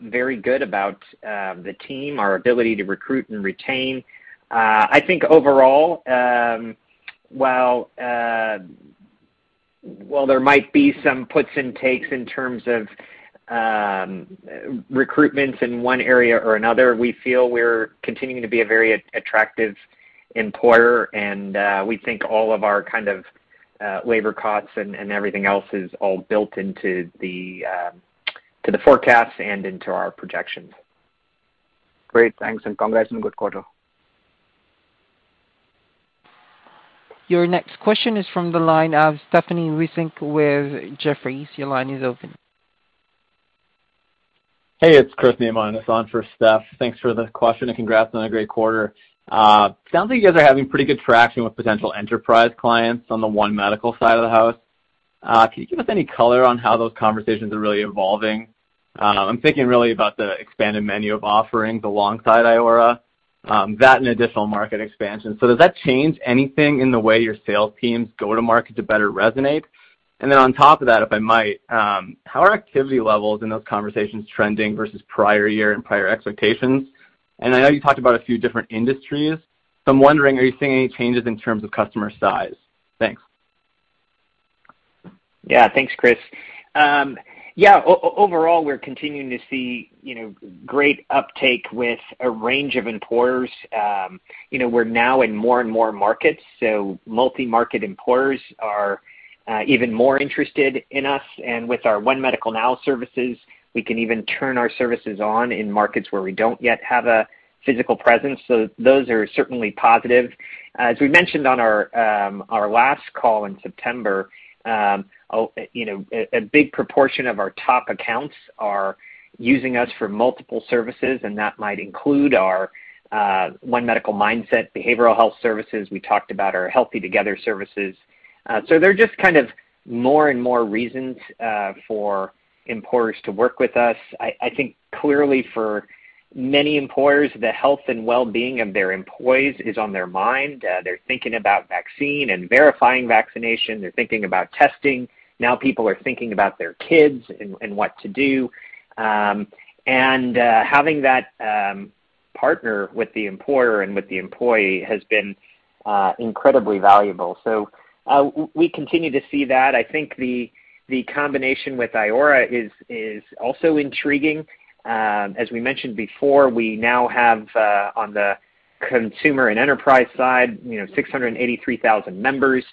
Speaker 3: very good about the team, our ability to recruit and retain. I think overall, while there might be some puts and takes in terms of recruitments in one area or another, we feel we're continuing to be a very attractive employer, and we think all of our kind of labor costs and everything else is all built into the forecast and into our projections.
Speaker 7: Great. Thanks, and congrats on a good quarter.
Speaker 1: Your next question is from the line of Stephanie Wissink with Jefferies. Your line is open.
Speaker 8: Hey, it's Chris Neamonitis on for Steph. Thanks for the question and congrats on a great quarter. Sounds like you guys are having pretty good traction with potential enterprise clients on the One Medical side of the house. Can you give us any color on how those conversations are really evolving? I'm thinking really about the expanded menu of offerings alongside Iora, that and additional market expansion. Does that change anything in the way your sales teams go to market to better resonate? Then on top of that, if I might, how are activity levels in those conversations trending versus prior year and prior expectations? I know you talked about a few different industries, so I'm wondering, are you seeing any changes in terms of customer size? Thanks.
Speaker 3: Yeah. Thanks, Chris. Overall, we're continuing to see, you know, great uptake with a range of employers. We're now in more and more markets, so multi-market employers are even more interested in us. With our One Medical Now services, we can even turn our services on in markets where we don't yet have a physical presence. Those are certainly positive. As we mentioned on our last call in September, a big proportion of our top accounts are using us for multiple services, and that might include our Mindset by One Medical behavioral health services. We talked about our Healthy Together services. They're just kind of more and more reasons for employers to work with us. I think clearly for many employers, the health and well-being of their employees is on their mind. They're thinking about vaccine and verifying vaccination. They're thinking about testing. Now, people are thinking about their kids and what to do. Having that partner with the employer and with the employee has been incredibly valuable. We continue to see that. I think the combination with Iora is also intriguing. As we mentioned before, we now have on the consumer and enterprise side, you know, 683,000 members.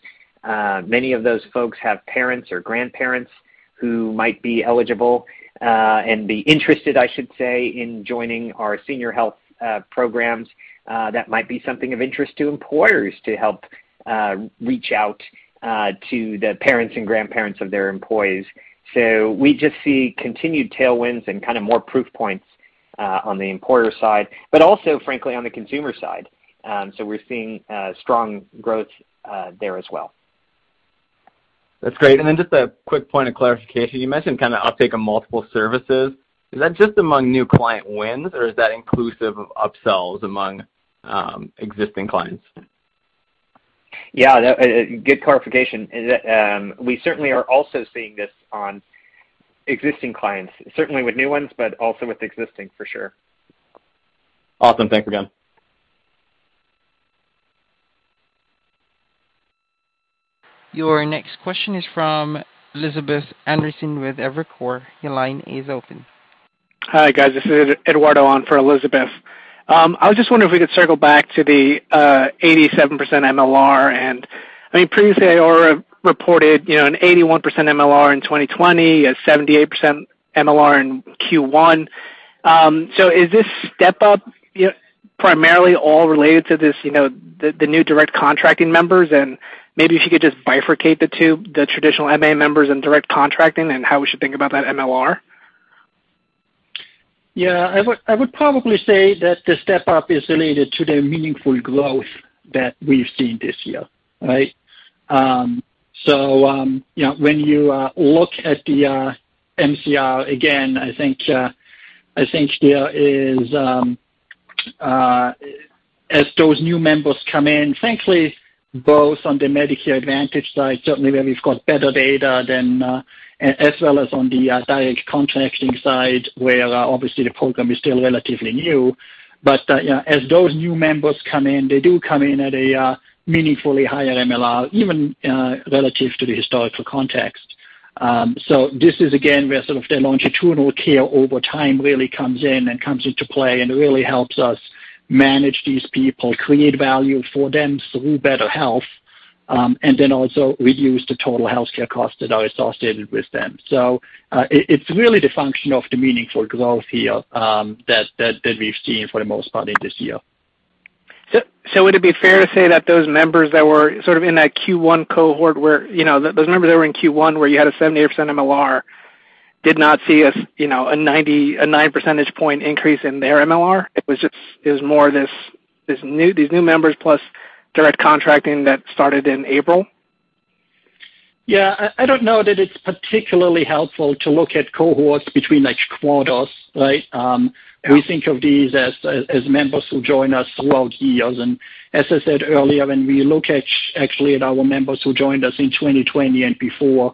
Speaker 3: Many of those folks have parents or grandparents who might be eligible and be interested, I should say, in joining our senior health programs that might be something of interest to employers to help reach out to the parents and grandparents of their employees. We just see continued tailwinds and kind of more proof points on the employer side, but also frankly, on the consumer side. We're seeing strong growth there as well.
Speaker 8: That's great. Then just a quick point of clarification. You mentioned kind of uptake of multiple services. Is that just among new client wins, or is that inclusive of upsells among existing clients?
Speaker 3: Yeah, good clarification. We certainly are also seeing this on existing clients. Certainly with new ones, but also with existing, for sure.
Speaker 8: Awesome. Thanks again.
Speaker 1: Your next question is from Elizabeth Anderson with Evercore. Your line is open.
Speaker 9: Hi, guys. This is Eduardo on for Elizabeth. I was just wondering if we could circle back to the 87% MLR. I mean, previously Iora reported, you know, an 81% MLR in 2020, a 78% MLR in Q1. So is this step up primarily all related to this, you know, the new direct contracting members? Maybe if you could just bifurcate the two, the traditional MA members and direct contracting and how we should think about that MLR.
Speaker 4: Yeah. I would probably say that the step-up is related to the meaningful growth that we've seen this year, right? So, you know, when you look at the MCR, again, I think there is as those new members come in, frankly, both on the Medicare Advantage side, certainly where we've got better data than as well as on the Direct Contracting side, where obviously the program is still relatively new. Yeah, as those new members come in, they do come in at a meaningfully higher MLR, even relative to the historical context. This is again where sort of the longitudinal care over time really comes in and comes into play and really helps us manage these people, create value for them through better health, and then also reduce the total healthcare costs that are associated with them. It's really the function of the meaningful growth here, that we've seen for the most part in this year.
Speaker 9: Would it be fair to say that those members that were sort of in that Q1 cohort where, you know, those members that were in Q1 where you had a 78% MLR did not see a, you know, a 9 percentage point increase in their MLR? It was more these new members plus direct contracting that started in April?
Speaker 4: Yeah. I don't know that it's particularly helpful to look at cohorts between like quarters, right?
Speaker 9: Yeah.
Speaker 4: We think of these as members who join us throughout years. As I said earlier, when we look at actually at our members who joined us in 2020 and before,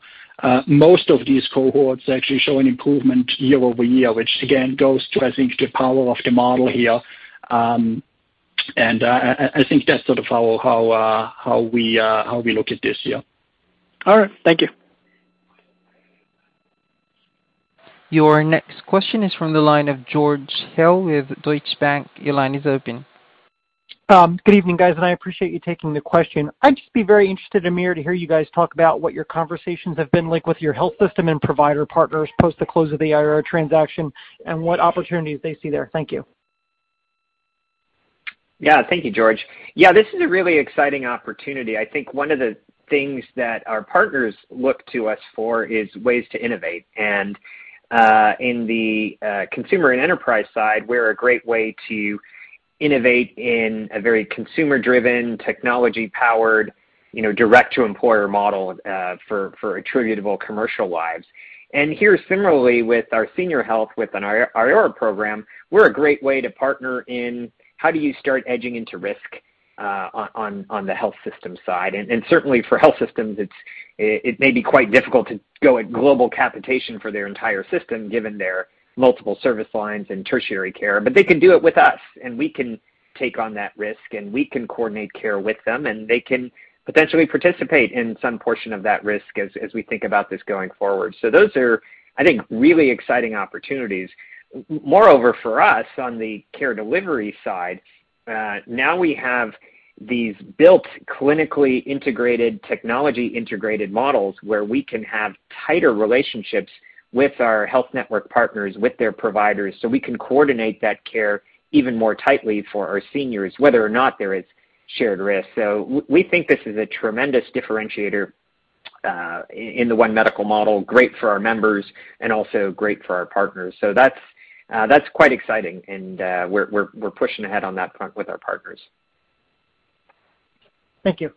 Speaker 4: most of these cohorts actually show an improvement year-over-year, which again goes to, I think, the power of the model here. I think that's sort of how we look at this, yeah.
Speaker 9: All right. Thank you.
Speaker 1: Your next question is from the line of George Hill with Deutsche Bank. Your line is open.
Speaker 10: Good evening, guys, and I appreciate you taking the question. I'd just be very interested, Amir, to hear you guys talk about what your conversations have been like with your health system and provider partners post the close of the Iora transaction and what opportunities they see there. Thank you.
Speaker 3: Yeah. Thank you, George. Yeah, this is a really exciting opportunity. I think one of the things that our partners look to us for is ways to innovate. In the consumer and enterprise side, we're a great way to innovate in a very consumer-driven, technology-powered, you know, direct to employer model, for attributable commercial lives. Here, similarly with our senior health within our Iora program, we're a great way to partner in how do you start edging into risk, on the health system side. Certainly for health systems, it may be quite difficult to go at global capitation for their entire system given their multiple service lines and tertiary care. They can do it with us, and we can take on that risk, and we can coordinate care with them, and they can potentially participate in some portion of that risk as we think about this going forward. Those are, I think, really exciting opportunities. Moreover, for us on the care delivery side, now we have these built clinically integrated, technology integrated models where we can have tighter relationships with our health network partners, with their providers, so we can coordinate that care even more tightly for our seniors, whether or not there is shared risk. We think this is a tremendous differentiator. In the One Medical model, great for our members and also great for our partners. That's quite exciting, and we're pushing ahead on that front with our partners. Thank you.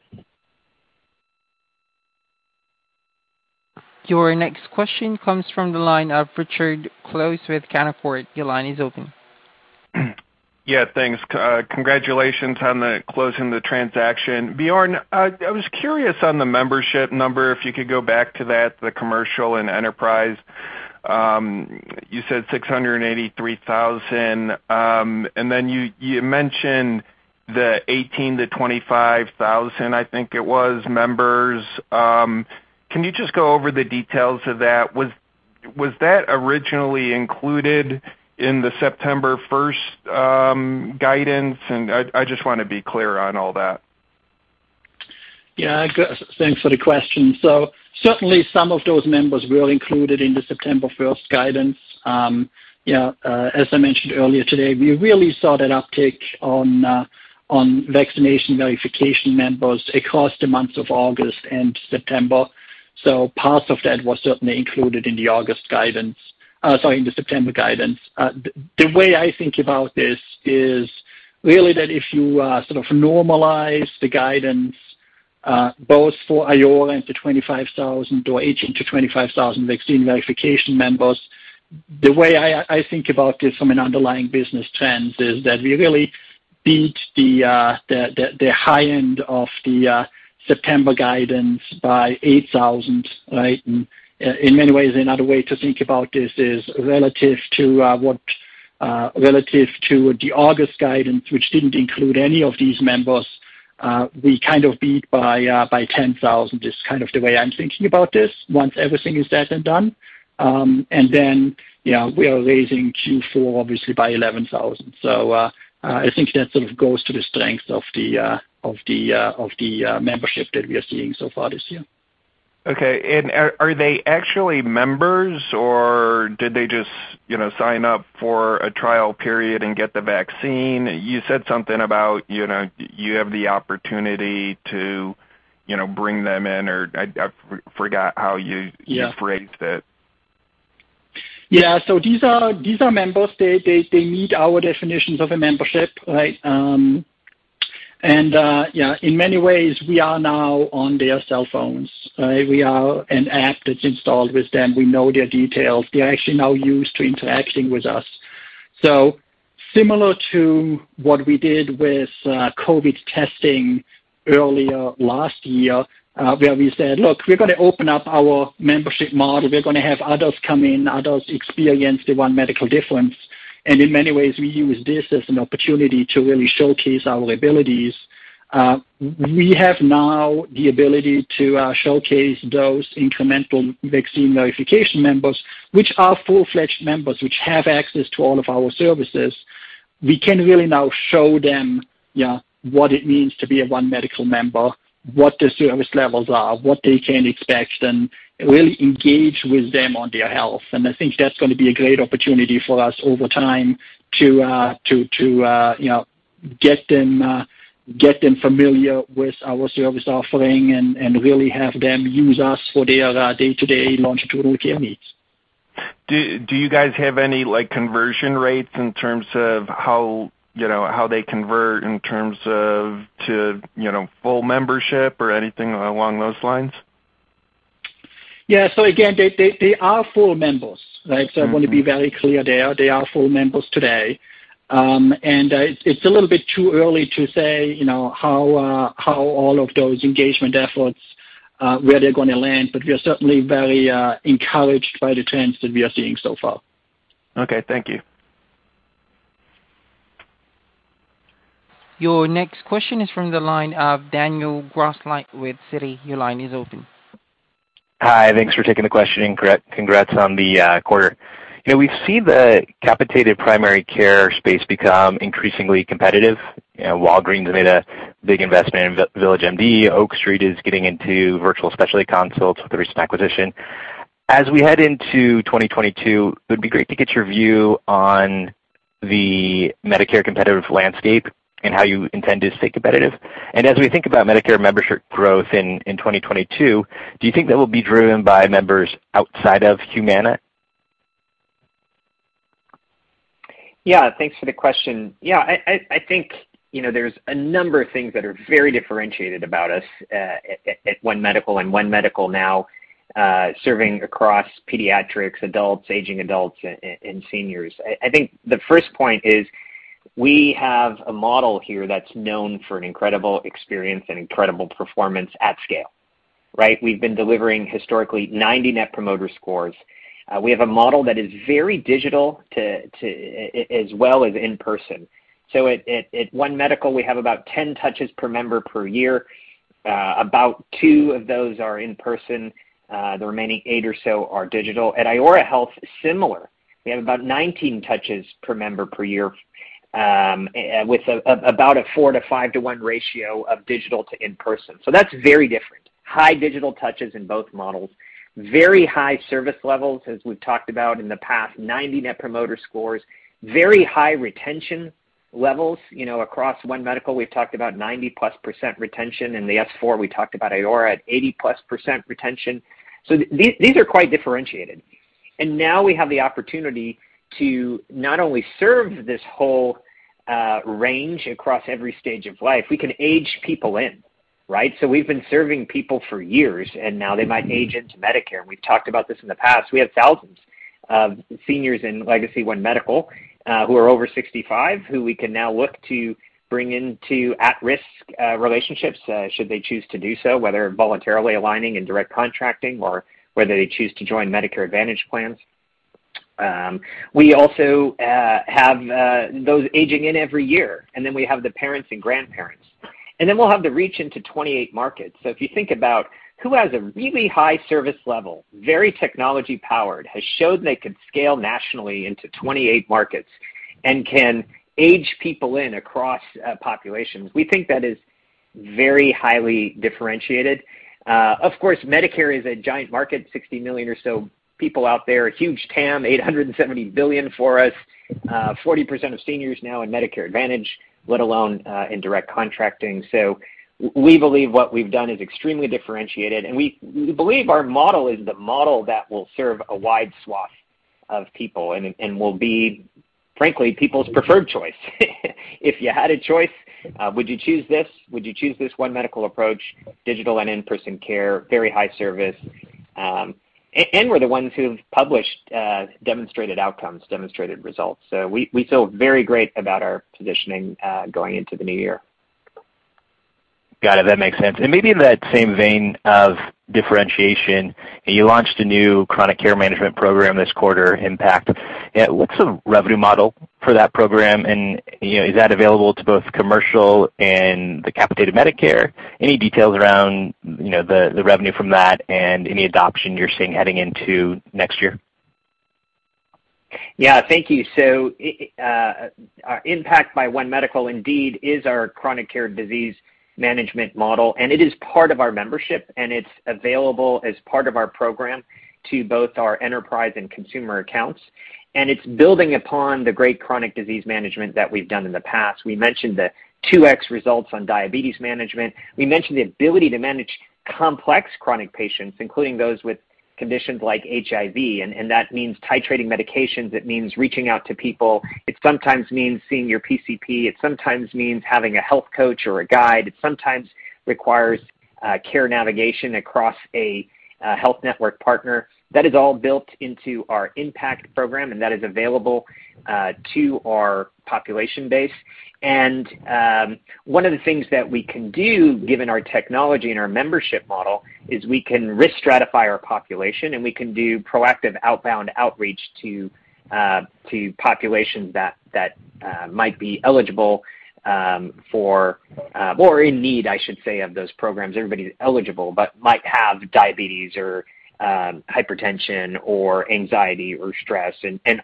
Speaker 1: Your next question comes from the line of Richard Close with Canaccord. Your line is open.
Speaker 11: Yeah, thanks. Congratulations on closing the transaction. Bjorn, I was curious on the membership number, if you could go back to that, the commercial and enterprise. You said 683,000. And then you mentioned the 18,000-25,000, I think it was, members. Can you just go over the details of that? Was that originally included in the September 1st guidance? I just wanna be clear on all that.
Speaker 4: Yeah. Thanks for the question. Certainly some of those members were included in the September 1st guidance. Yeah, as I mentioned earlier today, we really saw that uptick on vaccination verification members across the months of August and September. Part of that was certainly included in the August guidance, sorry, in the September guidance. The way I think about this is really that if you sort of normalize the guidance both for Iora and the 25,000 or 18,000-25,000 vaccine verification members, the way I think about this from an underlying business trends is that we really beat the high end of the September guidance by 8,000, right? In many ways, another way to think about this is relative to the August guidance, which didn't include any of these members, we kind of beat by 10,000, is kind of the way I'm thinking about this once everything is said and done. Yeah, we are raising Q4 obviously by 11,000. I think that sort of goes to the strength of the membership that we are seeing so far this year.
Speaker 11: Okay. Are they actually members or did they just, you know, sign up for a trial period and get the vaccine? You said something about, you know, you have the opportunity to, you know, bring them in or I forgot how you-
Speaker 4: Yeah.
Speaker 11: You phrased it.
Speaker 4: Yeah. These are members. They meet our definitions of a membership, right? In many ways we are now on their cell phones, right? We are an app that's installed with them. We know their details. They're actually now used to interacting with us. Similar to what we did with COVID testing earlier last year, where we said, "Look, we're gonna open up our membership model. We're gonna have others come in, others experience the One Medical difference." In many ways, we use this as an opportunity to really showcase our abilities. We have now the ability to showcase those incremental vaccine verification members, which are full-fledged members, which have access to all of our services. We can really now show them, you know, what it means to be a One Medical member, what the service levels are, what they can expect, and really engage with them on their health. I think that's gonna be a great opportunity for us over time to, you know, get them familiar with our service offering and really have them use us for their day-to-day longitudinal care needs.
Speaker 11: Do you guys have any like conversion rates in terms of how, you know, how they convert in terms of to, you know, full membership or anything along those lines?
Speaker 4: Yeah. Again, they are full members, right?
Speaker 11: Mm-hmm.
Speaker 4: I wanna be very clear there. They are full members today. It's a little bit too early to say, you know, how all of those engagement efforts where they're gonna land, but we are certainly very encouraged by the trends that we are seeing so far.
Speaker 11: Okay, thank you.
Speaker 1: Your next question is from the line of Daniel Grosslight with Citi. Your line is open.
Speaker 12: Hi. Thanks for taking the question, and congrats on the quarter. You know, we've seen the capitated primary care space become increasingly competitive. You know, Walgreens made a big investment in VillageMD. Oak Street is getting into virtual specialty consults with the recent acquisition. As we head into 2022, it would be great to get your view on the Medicare competitive landscape and how you intend to stay competitive. As we think about Medicare membership growth in 2022, do you think that will be driven by members outside of Humana?
Speaker 3: Yeah. Thanks for the question. Yeah. I think, you know, there's a number of things that are very differentiated about us at One Medical and One Medical Now, serving across pediatrics, adults, aging adults, and seniors. I think the first point is we have a model here that's known for an incredible experience and incredible performance at scale, right? We've been delivering historically 90 Net Promoter Scores. We have a model that is very digital as well as in person. So at One Medical, we have about 10 touches per member per year. About 2 of those are in person. The remaining 8 or so are digital. At Iora Health, similar. We have about 19 touches per member per year, with about a four to five to one ratio of digital to in person. That's very different. High digital touches in both models. Very high service levels, as we've talked about in the past, 90 Net Promoter Scores. Very high retention levels, you know, across One Medical, we've talked about 90%+ retention. In the S-4, we talked about Iora at 80%+ retention. These are quite differentiated. Now, we have the opportunity to not only serve this whole range across every stage of life, we can age people in, right? We've been serving people for years, and now they might age into Medicare. We've talked about this in the past. We have thousands of seniors in legacy One Medical who are over 65, who we can now look to bring into at-risk relationships, should they choose to do so, whether voluntarily aligning in Direct Contracting or whether they choose to join Medicare Advantage plans. We also have those aging in every year, and then we have the parents and grandparents. We'll have the reach into 28 markets. If you think about who has a really high service level, very technology-powered, has showed they can scale nationally into 28 markets and can age people in across populations, we think that is very highly differentiated. Of course, Medicare is a giant market, 60 million or so people out there, a huge TAM, $870 billion for us, 40% of seniors now in Medicare Advantage, let alone in direct contracting. We believe what we've done is extremely differentiated, and we believe our model is the model that will serve a wide swath of people and will be, frankly, people's preferred choice. If you had a choice, would you choose this? Would you choose this One Medical approach, digital and in-person care, very high service? And we're the ones who've published demonstrated outcomes, demonstrated results. We feel very great about our positioning going into the new year.
Speaker 12: Got it. That makes sense. Maybe in that same vein of differentiation, you launched a new chronic care management program this quarter, Impact. What's the revenue model for that program? You know, is that available to both commercial and the capitated Medicare? Any details around, you know, the revenue from that and any adoption you're seeing heading into next year?
Speaker 3: Yeah. Thank you. Impact by One Medical indeed is our chronic care disease management model, and it is part of our membership, and it's available as part of our program to both our enterprise and consumer accounts. It's building upon the great chronic disease management that we've done in the past. We mentioned the 2x results on diabetes management. We mentioned the ability to manage complex chronic patients, including those with conditions like HIV, and that means titrating medications. It means reaching out to people. It sometimes means seeing your PCP. It sometimes means having a health coach or a guide. It sometimes requires care navigation across a health network partner. That is all built into our Impact program, and that is available to our population base. One of the things that we can do, given our technology and our membership model, is we can risk stratify our population, and we can do proactive outbound outreach to populations that might be eligible for, or in need, I should say, of those programs. Everybody's eligible but might have diabetes or hypertension or anxiety or stress.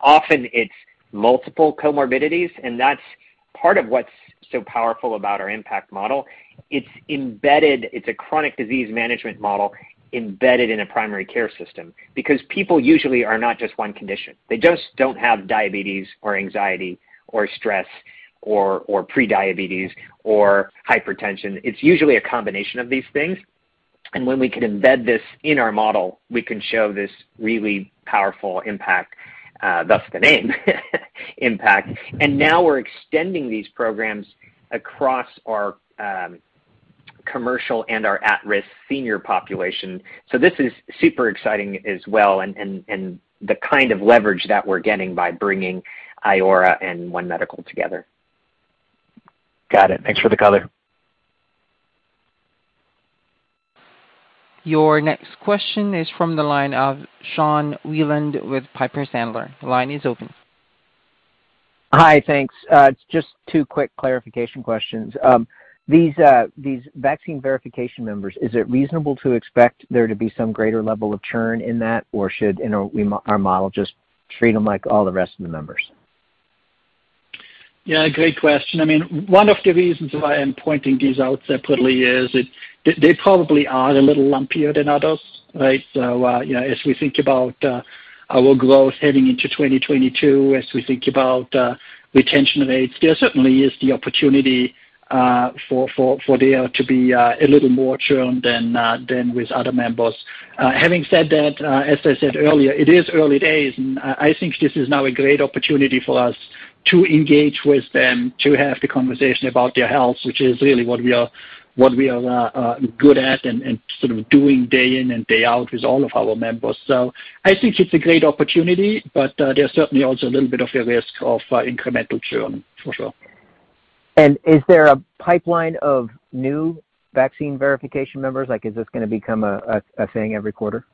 Speaker 3: Often it's multiple comorbidities, and that's part of what's so powerful about our Impact model. It's embedded. It's a chronic disease management model embedded in a primary care system. Because people usually are not just one condition. They just don't have diabetes or anxiety or stress or prediabetes or hypertension. It's usually a combination of these things. When we can embed this in our model, we can show this really powerful impact, thus the name Impact. Now, we're extending these programs across our commercial and our at-risk senior population. This is super exciting as well and the kind of leverage that we're getting by bringing Iora and One Medical together.
Speaker 12: Got it. Thanks for the color.
Speaker 1: Your next question is from the line of Sean Wieland with Piper Sandler. The line is open.
Speaker 13: Hi. Thanks. Just two quick clarification questions. These vaccine verification members, is it reasonable to expect there to be some greater level of churn in that, or should, you know, our model just treat them like all the rest of the members?
Speaker 4: Yeah, great question. I mean, one of the reasons why I'm pointing these out separately is that they probably are a little lumpier than others, right? You know, as we think about our growth heading into 2022, as we think about retention rates, there certainly is the opportunity for there to be a little more churn than with other members. Having said that, as I said earlier, it is early days, and I think this is now a great opportunity for us to engage with them, to have the conversation about their health, which is really what we are good at and sort of doing day in and day out with all of our members. I think it's a great opportunity, but there's certainly also a little bit of a risk of incremental churn, for sure.
Speaker 13: Is there a pipeline of new vaccine verification members? Like, is this gonna become a thing every quarter?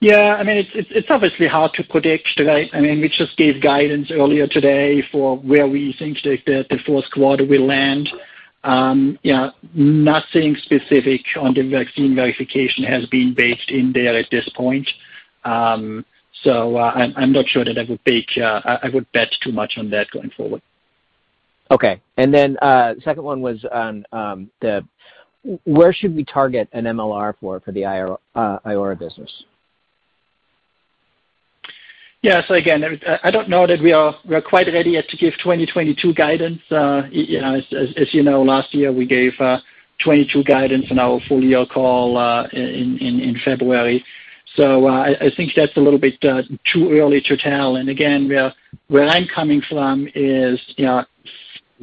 Speaker 4: Yeah, I mean, it's obviously hard to predict, right? I mean, we just gave guidance earlier today for where we think the fourth quarter will land. Yeah, nothing specific on the vaccine verification has been baked in there at this point. I'm not sure that I would bet too much on that going forward.
Speaker 13: Okay. Second one was on where should we target an MLR for the Iora business?
Speaker 4: Yeah. Again, I don't know that we are quite ready yet to give 2022 guidance. You know, as you know, last year we gave 2022 guidance in our full-year call in February. I think that's a little bit too early to tell. Again, where I'm coming from is, you know,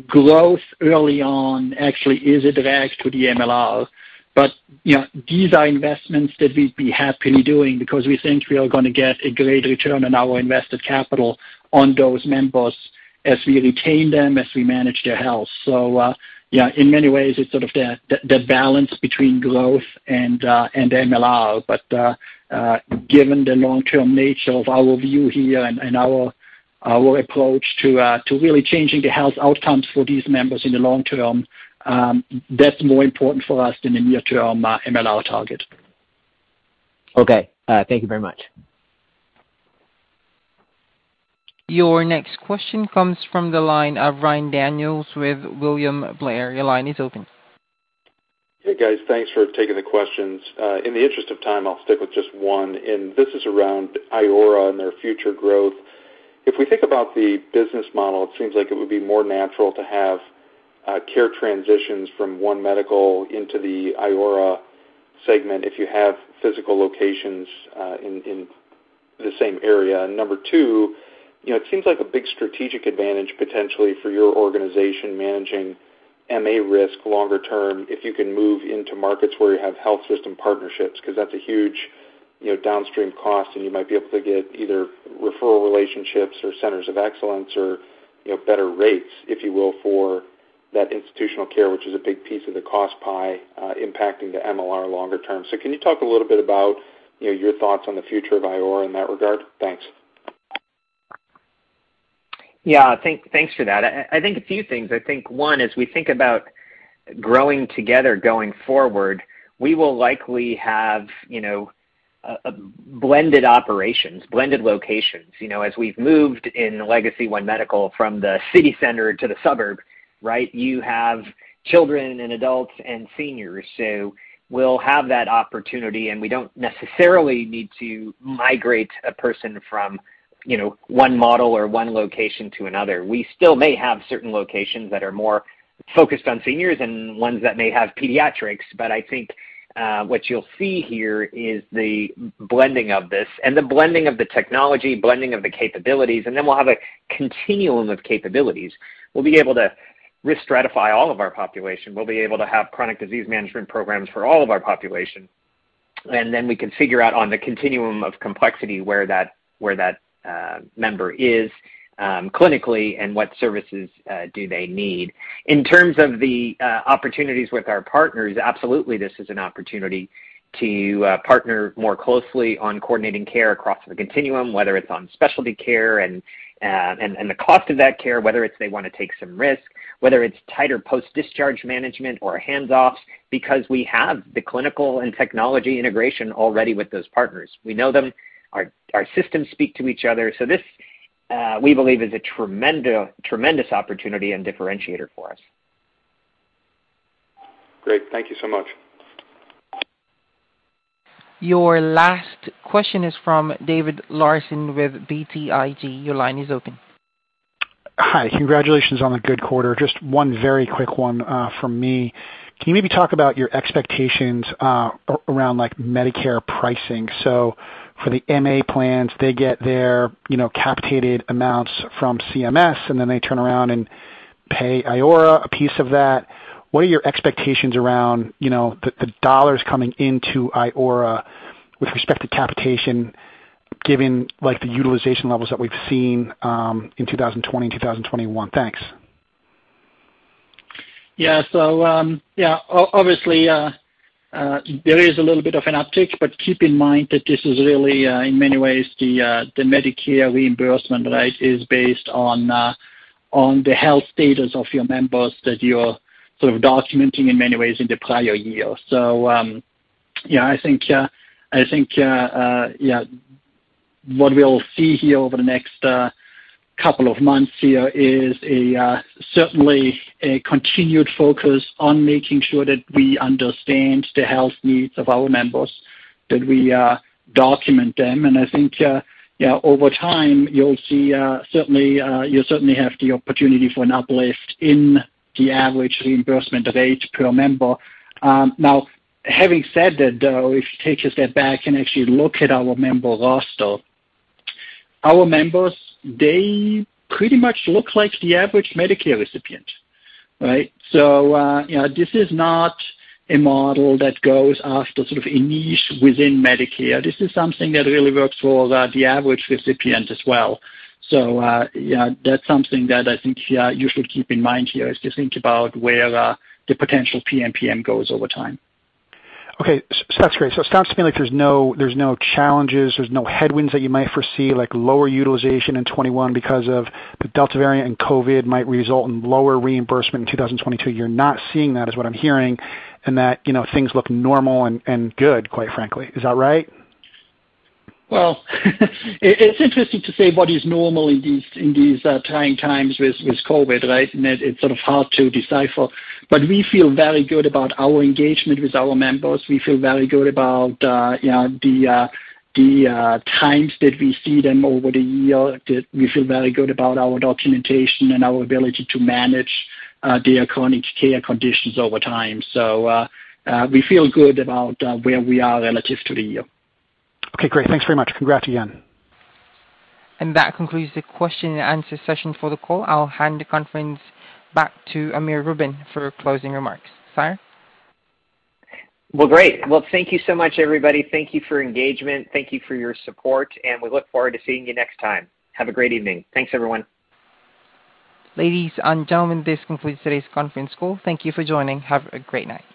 Speaker 4: growth early on actually is a drag to the MLR. You know, these are investments that we'd be happily doing because we think we are gonna get a great return on our invested capital on those members as we retain them, as we manage their health. Yeah, in many ways, it's sort of the balance between growth and MLR. Given the long-term nature of our view here and our approach to really changing the health outcomes for these members in the long term, that's more important for us than the near term MLR target.
Speaker 13: Okay. Thank you very much.
Speaker 1: Your next question comes from the line of Ryan Daniels with William Blair. Your line is open.
Speaker 14: Hey, guys. Thanks for taking the questions. In the interest of time, I'll stick with just one, and this is around Iora and their future growth. If we think about the business model, it seems like it would be more natural to have care transitions from One Medical into the Iora segment if you have physical locations in the same area. Number two, you know, it seems like a big strategic advantage potentially for your organization managing MA risk longer term if you can move into markets where you have health system partnerships, 'cause that's a huge, you know, downstream cost and you might be able to get either referral relationships or centers of excellence or, you know, better rates, if you will, for that institutional care, which is a big piece of the cost pie impacting the MLR longer term. Can you talk a little bit about, you know, your thoughts on the future of Iora in that regard? Thanks.
Speaker 3: Thanks for that. I think a few things. I think, one, as we think about growing together going forward, we will likely have, you know, a blended operations, blended locations. You know, as we've moved in legacy One Medical from the city center to the suburb, right? You have children and adults and seniors. We'll have that opportunity, and we don't necessarily need to migrate a person from, you know, one model or one location to another. We still may have certain locations that are more focused on seniors and ones that may have pediatrics. But I think what you'll see here is the blending of this and the blending of the technology, blending of the capabilities, and then we'll have a continuum of capabilities. We'll be able to risk stratify all of our population. We'll be able to have chronic disease management programs for all of our population. Then we can figure out on the continuum of complexity where that member is clinically and what services do they need. In terms of the opportunities with our partners, absolutely this is an opportunity to partner more closely on coordinating care across the continuum, whether it's on specialty care and the cost of that care, whether it's they wanna take some risk, whether it's tighter post-discharge management or hands-offs, because we have the clinical and technology integration already with those partners. We know them. Our systems speak to each other. This we believe is a tremendous opportunity and differentiator for us.
Speaker 14: Great. Thank you so much.
Speaker 1: Your last question is from David Larsen with BTIG. Your line is open.
Speaker 15: Hi. Congratulations on the good quarter. Just one very quick one from me. Can you maybe talk about your expectations around, like, Medicare pricing? For the MA plans, they get their, you know, capitated amounts from CMS, and then they turn around and pay Iora a piece of that. What are your expectations around, you know, the dollars coming into Iora with respect to capitation, given, like, the utilization levels that we've seen in 2020 and 2021? Thanks.
Speaker 4: Obviously, there is a little bit of an uptick, but keep in mind that this is really, in many ways, the Medicare reimbursement, right, is based on the health status of your members that you're sort of documenting in many ways in the prior year. I think what we'll see here over the next couple of months is certainly a continued focus on making sure that we understand the health needs of our members, that we document them. I think over time, you'll see certainly you'll certainly have the opportunity for an uplift in the average reimbursement rate per member. Now having said that, though, if you take a step back and actually look at our member roster, our members, they pretty much look like the average Medicare recipient, right? You know, this is not a model that goes after sort of a niche within Medicare. This is something that really works for the average recipient as well. Yeah, that's something that I think you should keep in mind here as you think about where the potential PMPM goes over time.
Speaker 15: Okay. That's great. It sounds to me like there's no challenges, no headwinds that you might foresee, like lower utilization in 2021 because of the Delta variant and COVID might result in lower reimbursement in 2022. You're not seeing that, is what I'm hearing, and that, you know, things look normal and good, quite frankly. Is that right?
Speaker 4: Well, it's interesting to say what is normal in these trying times with COVID, right? It's sort of hard to decipher. We feel very good about our engagement with our members. We feel very good about, you know, the times that we see them over the year. We feel very good about our documentation and our ability to manage their chronic care conditions over time. We feel good about where we are relative to the year.
Speaker 15: Okay, great. Thanks very much. Congrats again.
Speaker 1: That concludes the question and answer session for the call. I'll hand the conference back to Amir Rubin for closing remarks. Sir?
Speaker 3: Well, great. Well, thank you so much, everybody. Thank you for your engagement. Thank you for your support, and we look forward to seeing you next time. Have a great evening. Thanks, everyone.
Speaker 1: Ladies and gentlemen, this concludes today's conference call. Thank you for joining. Have a great night.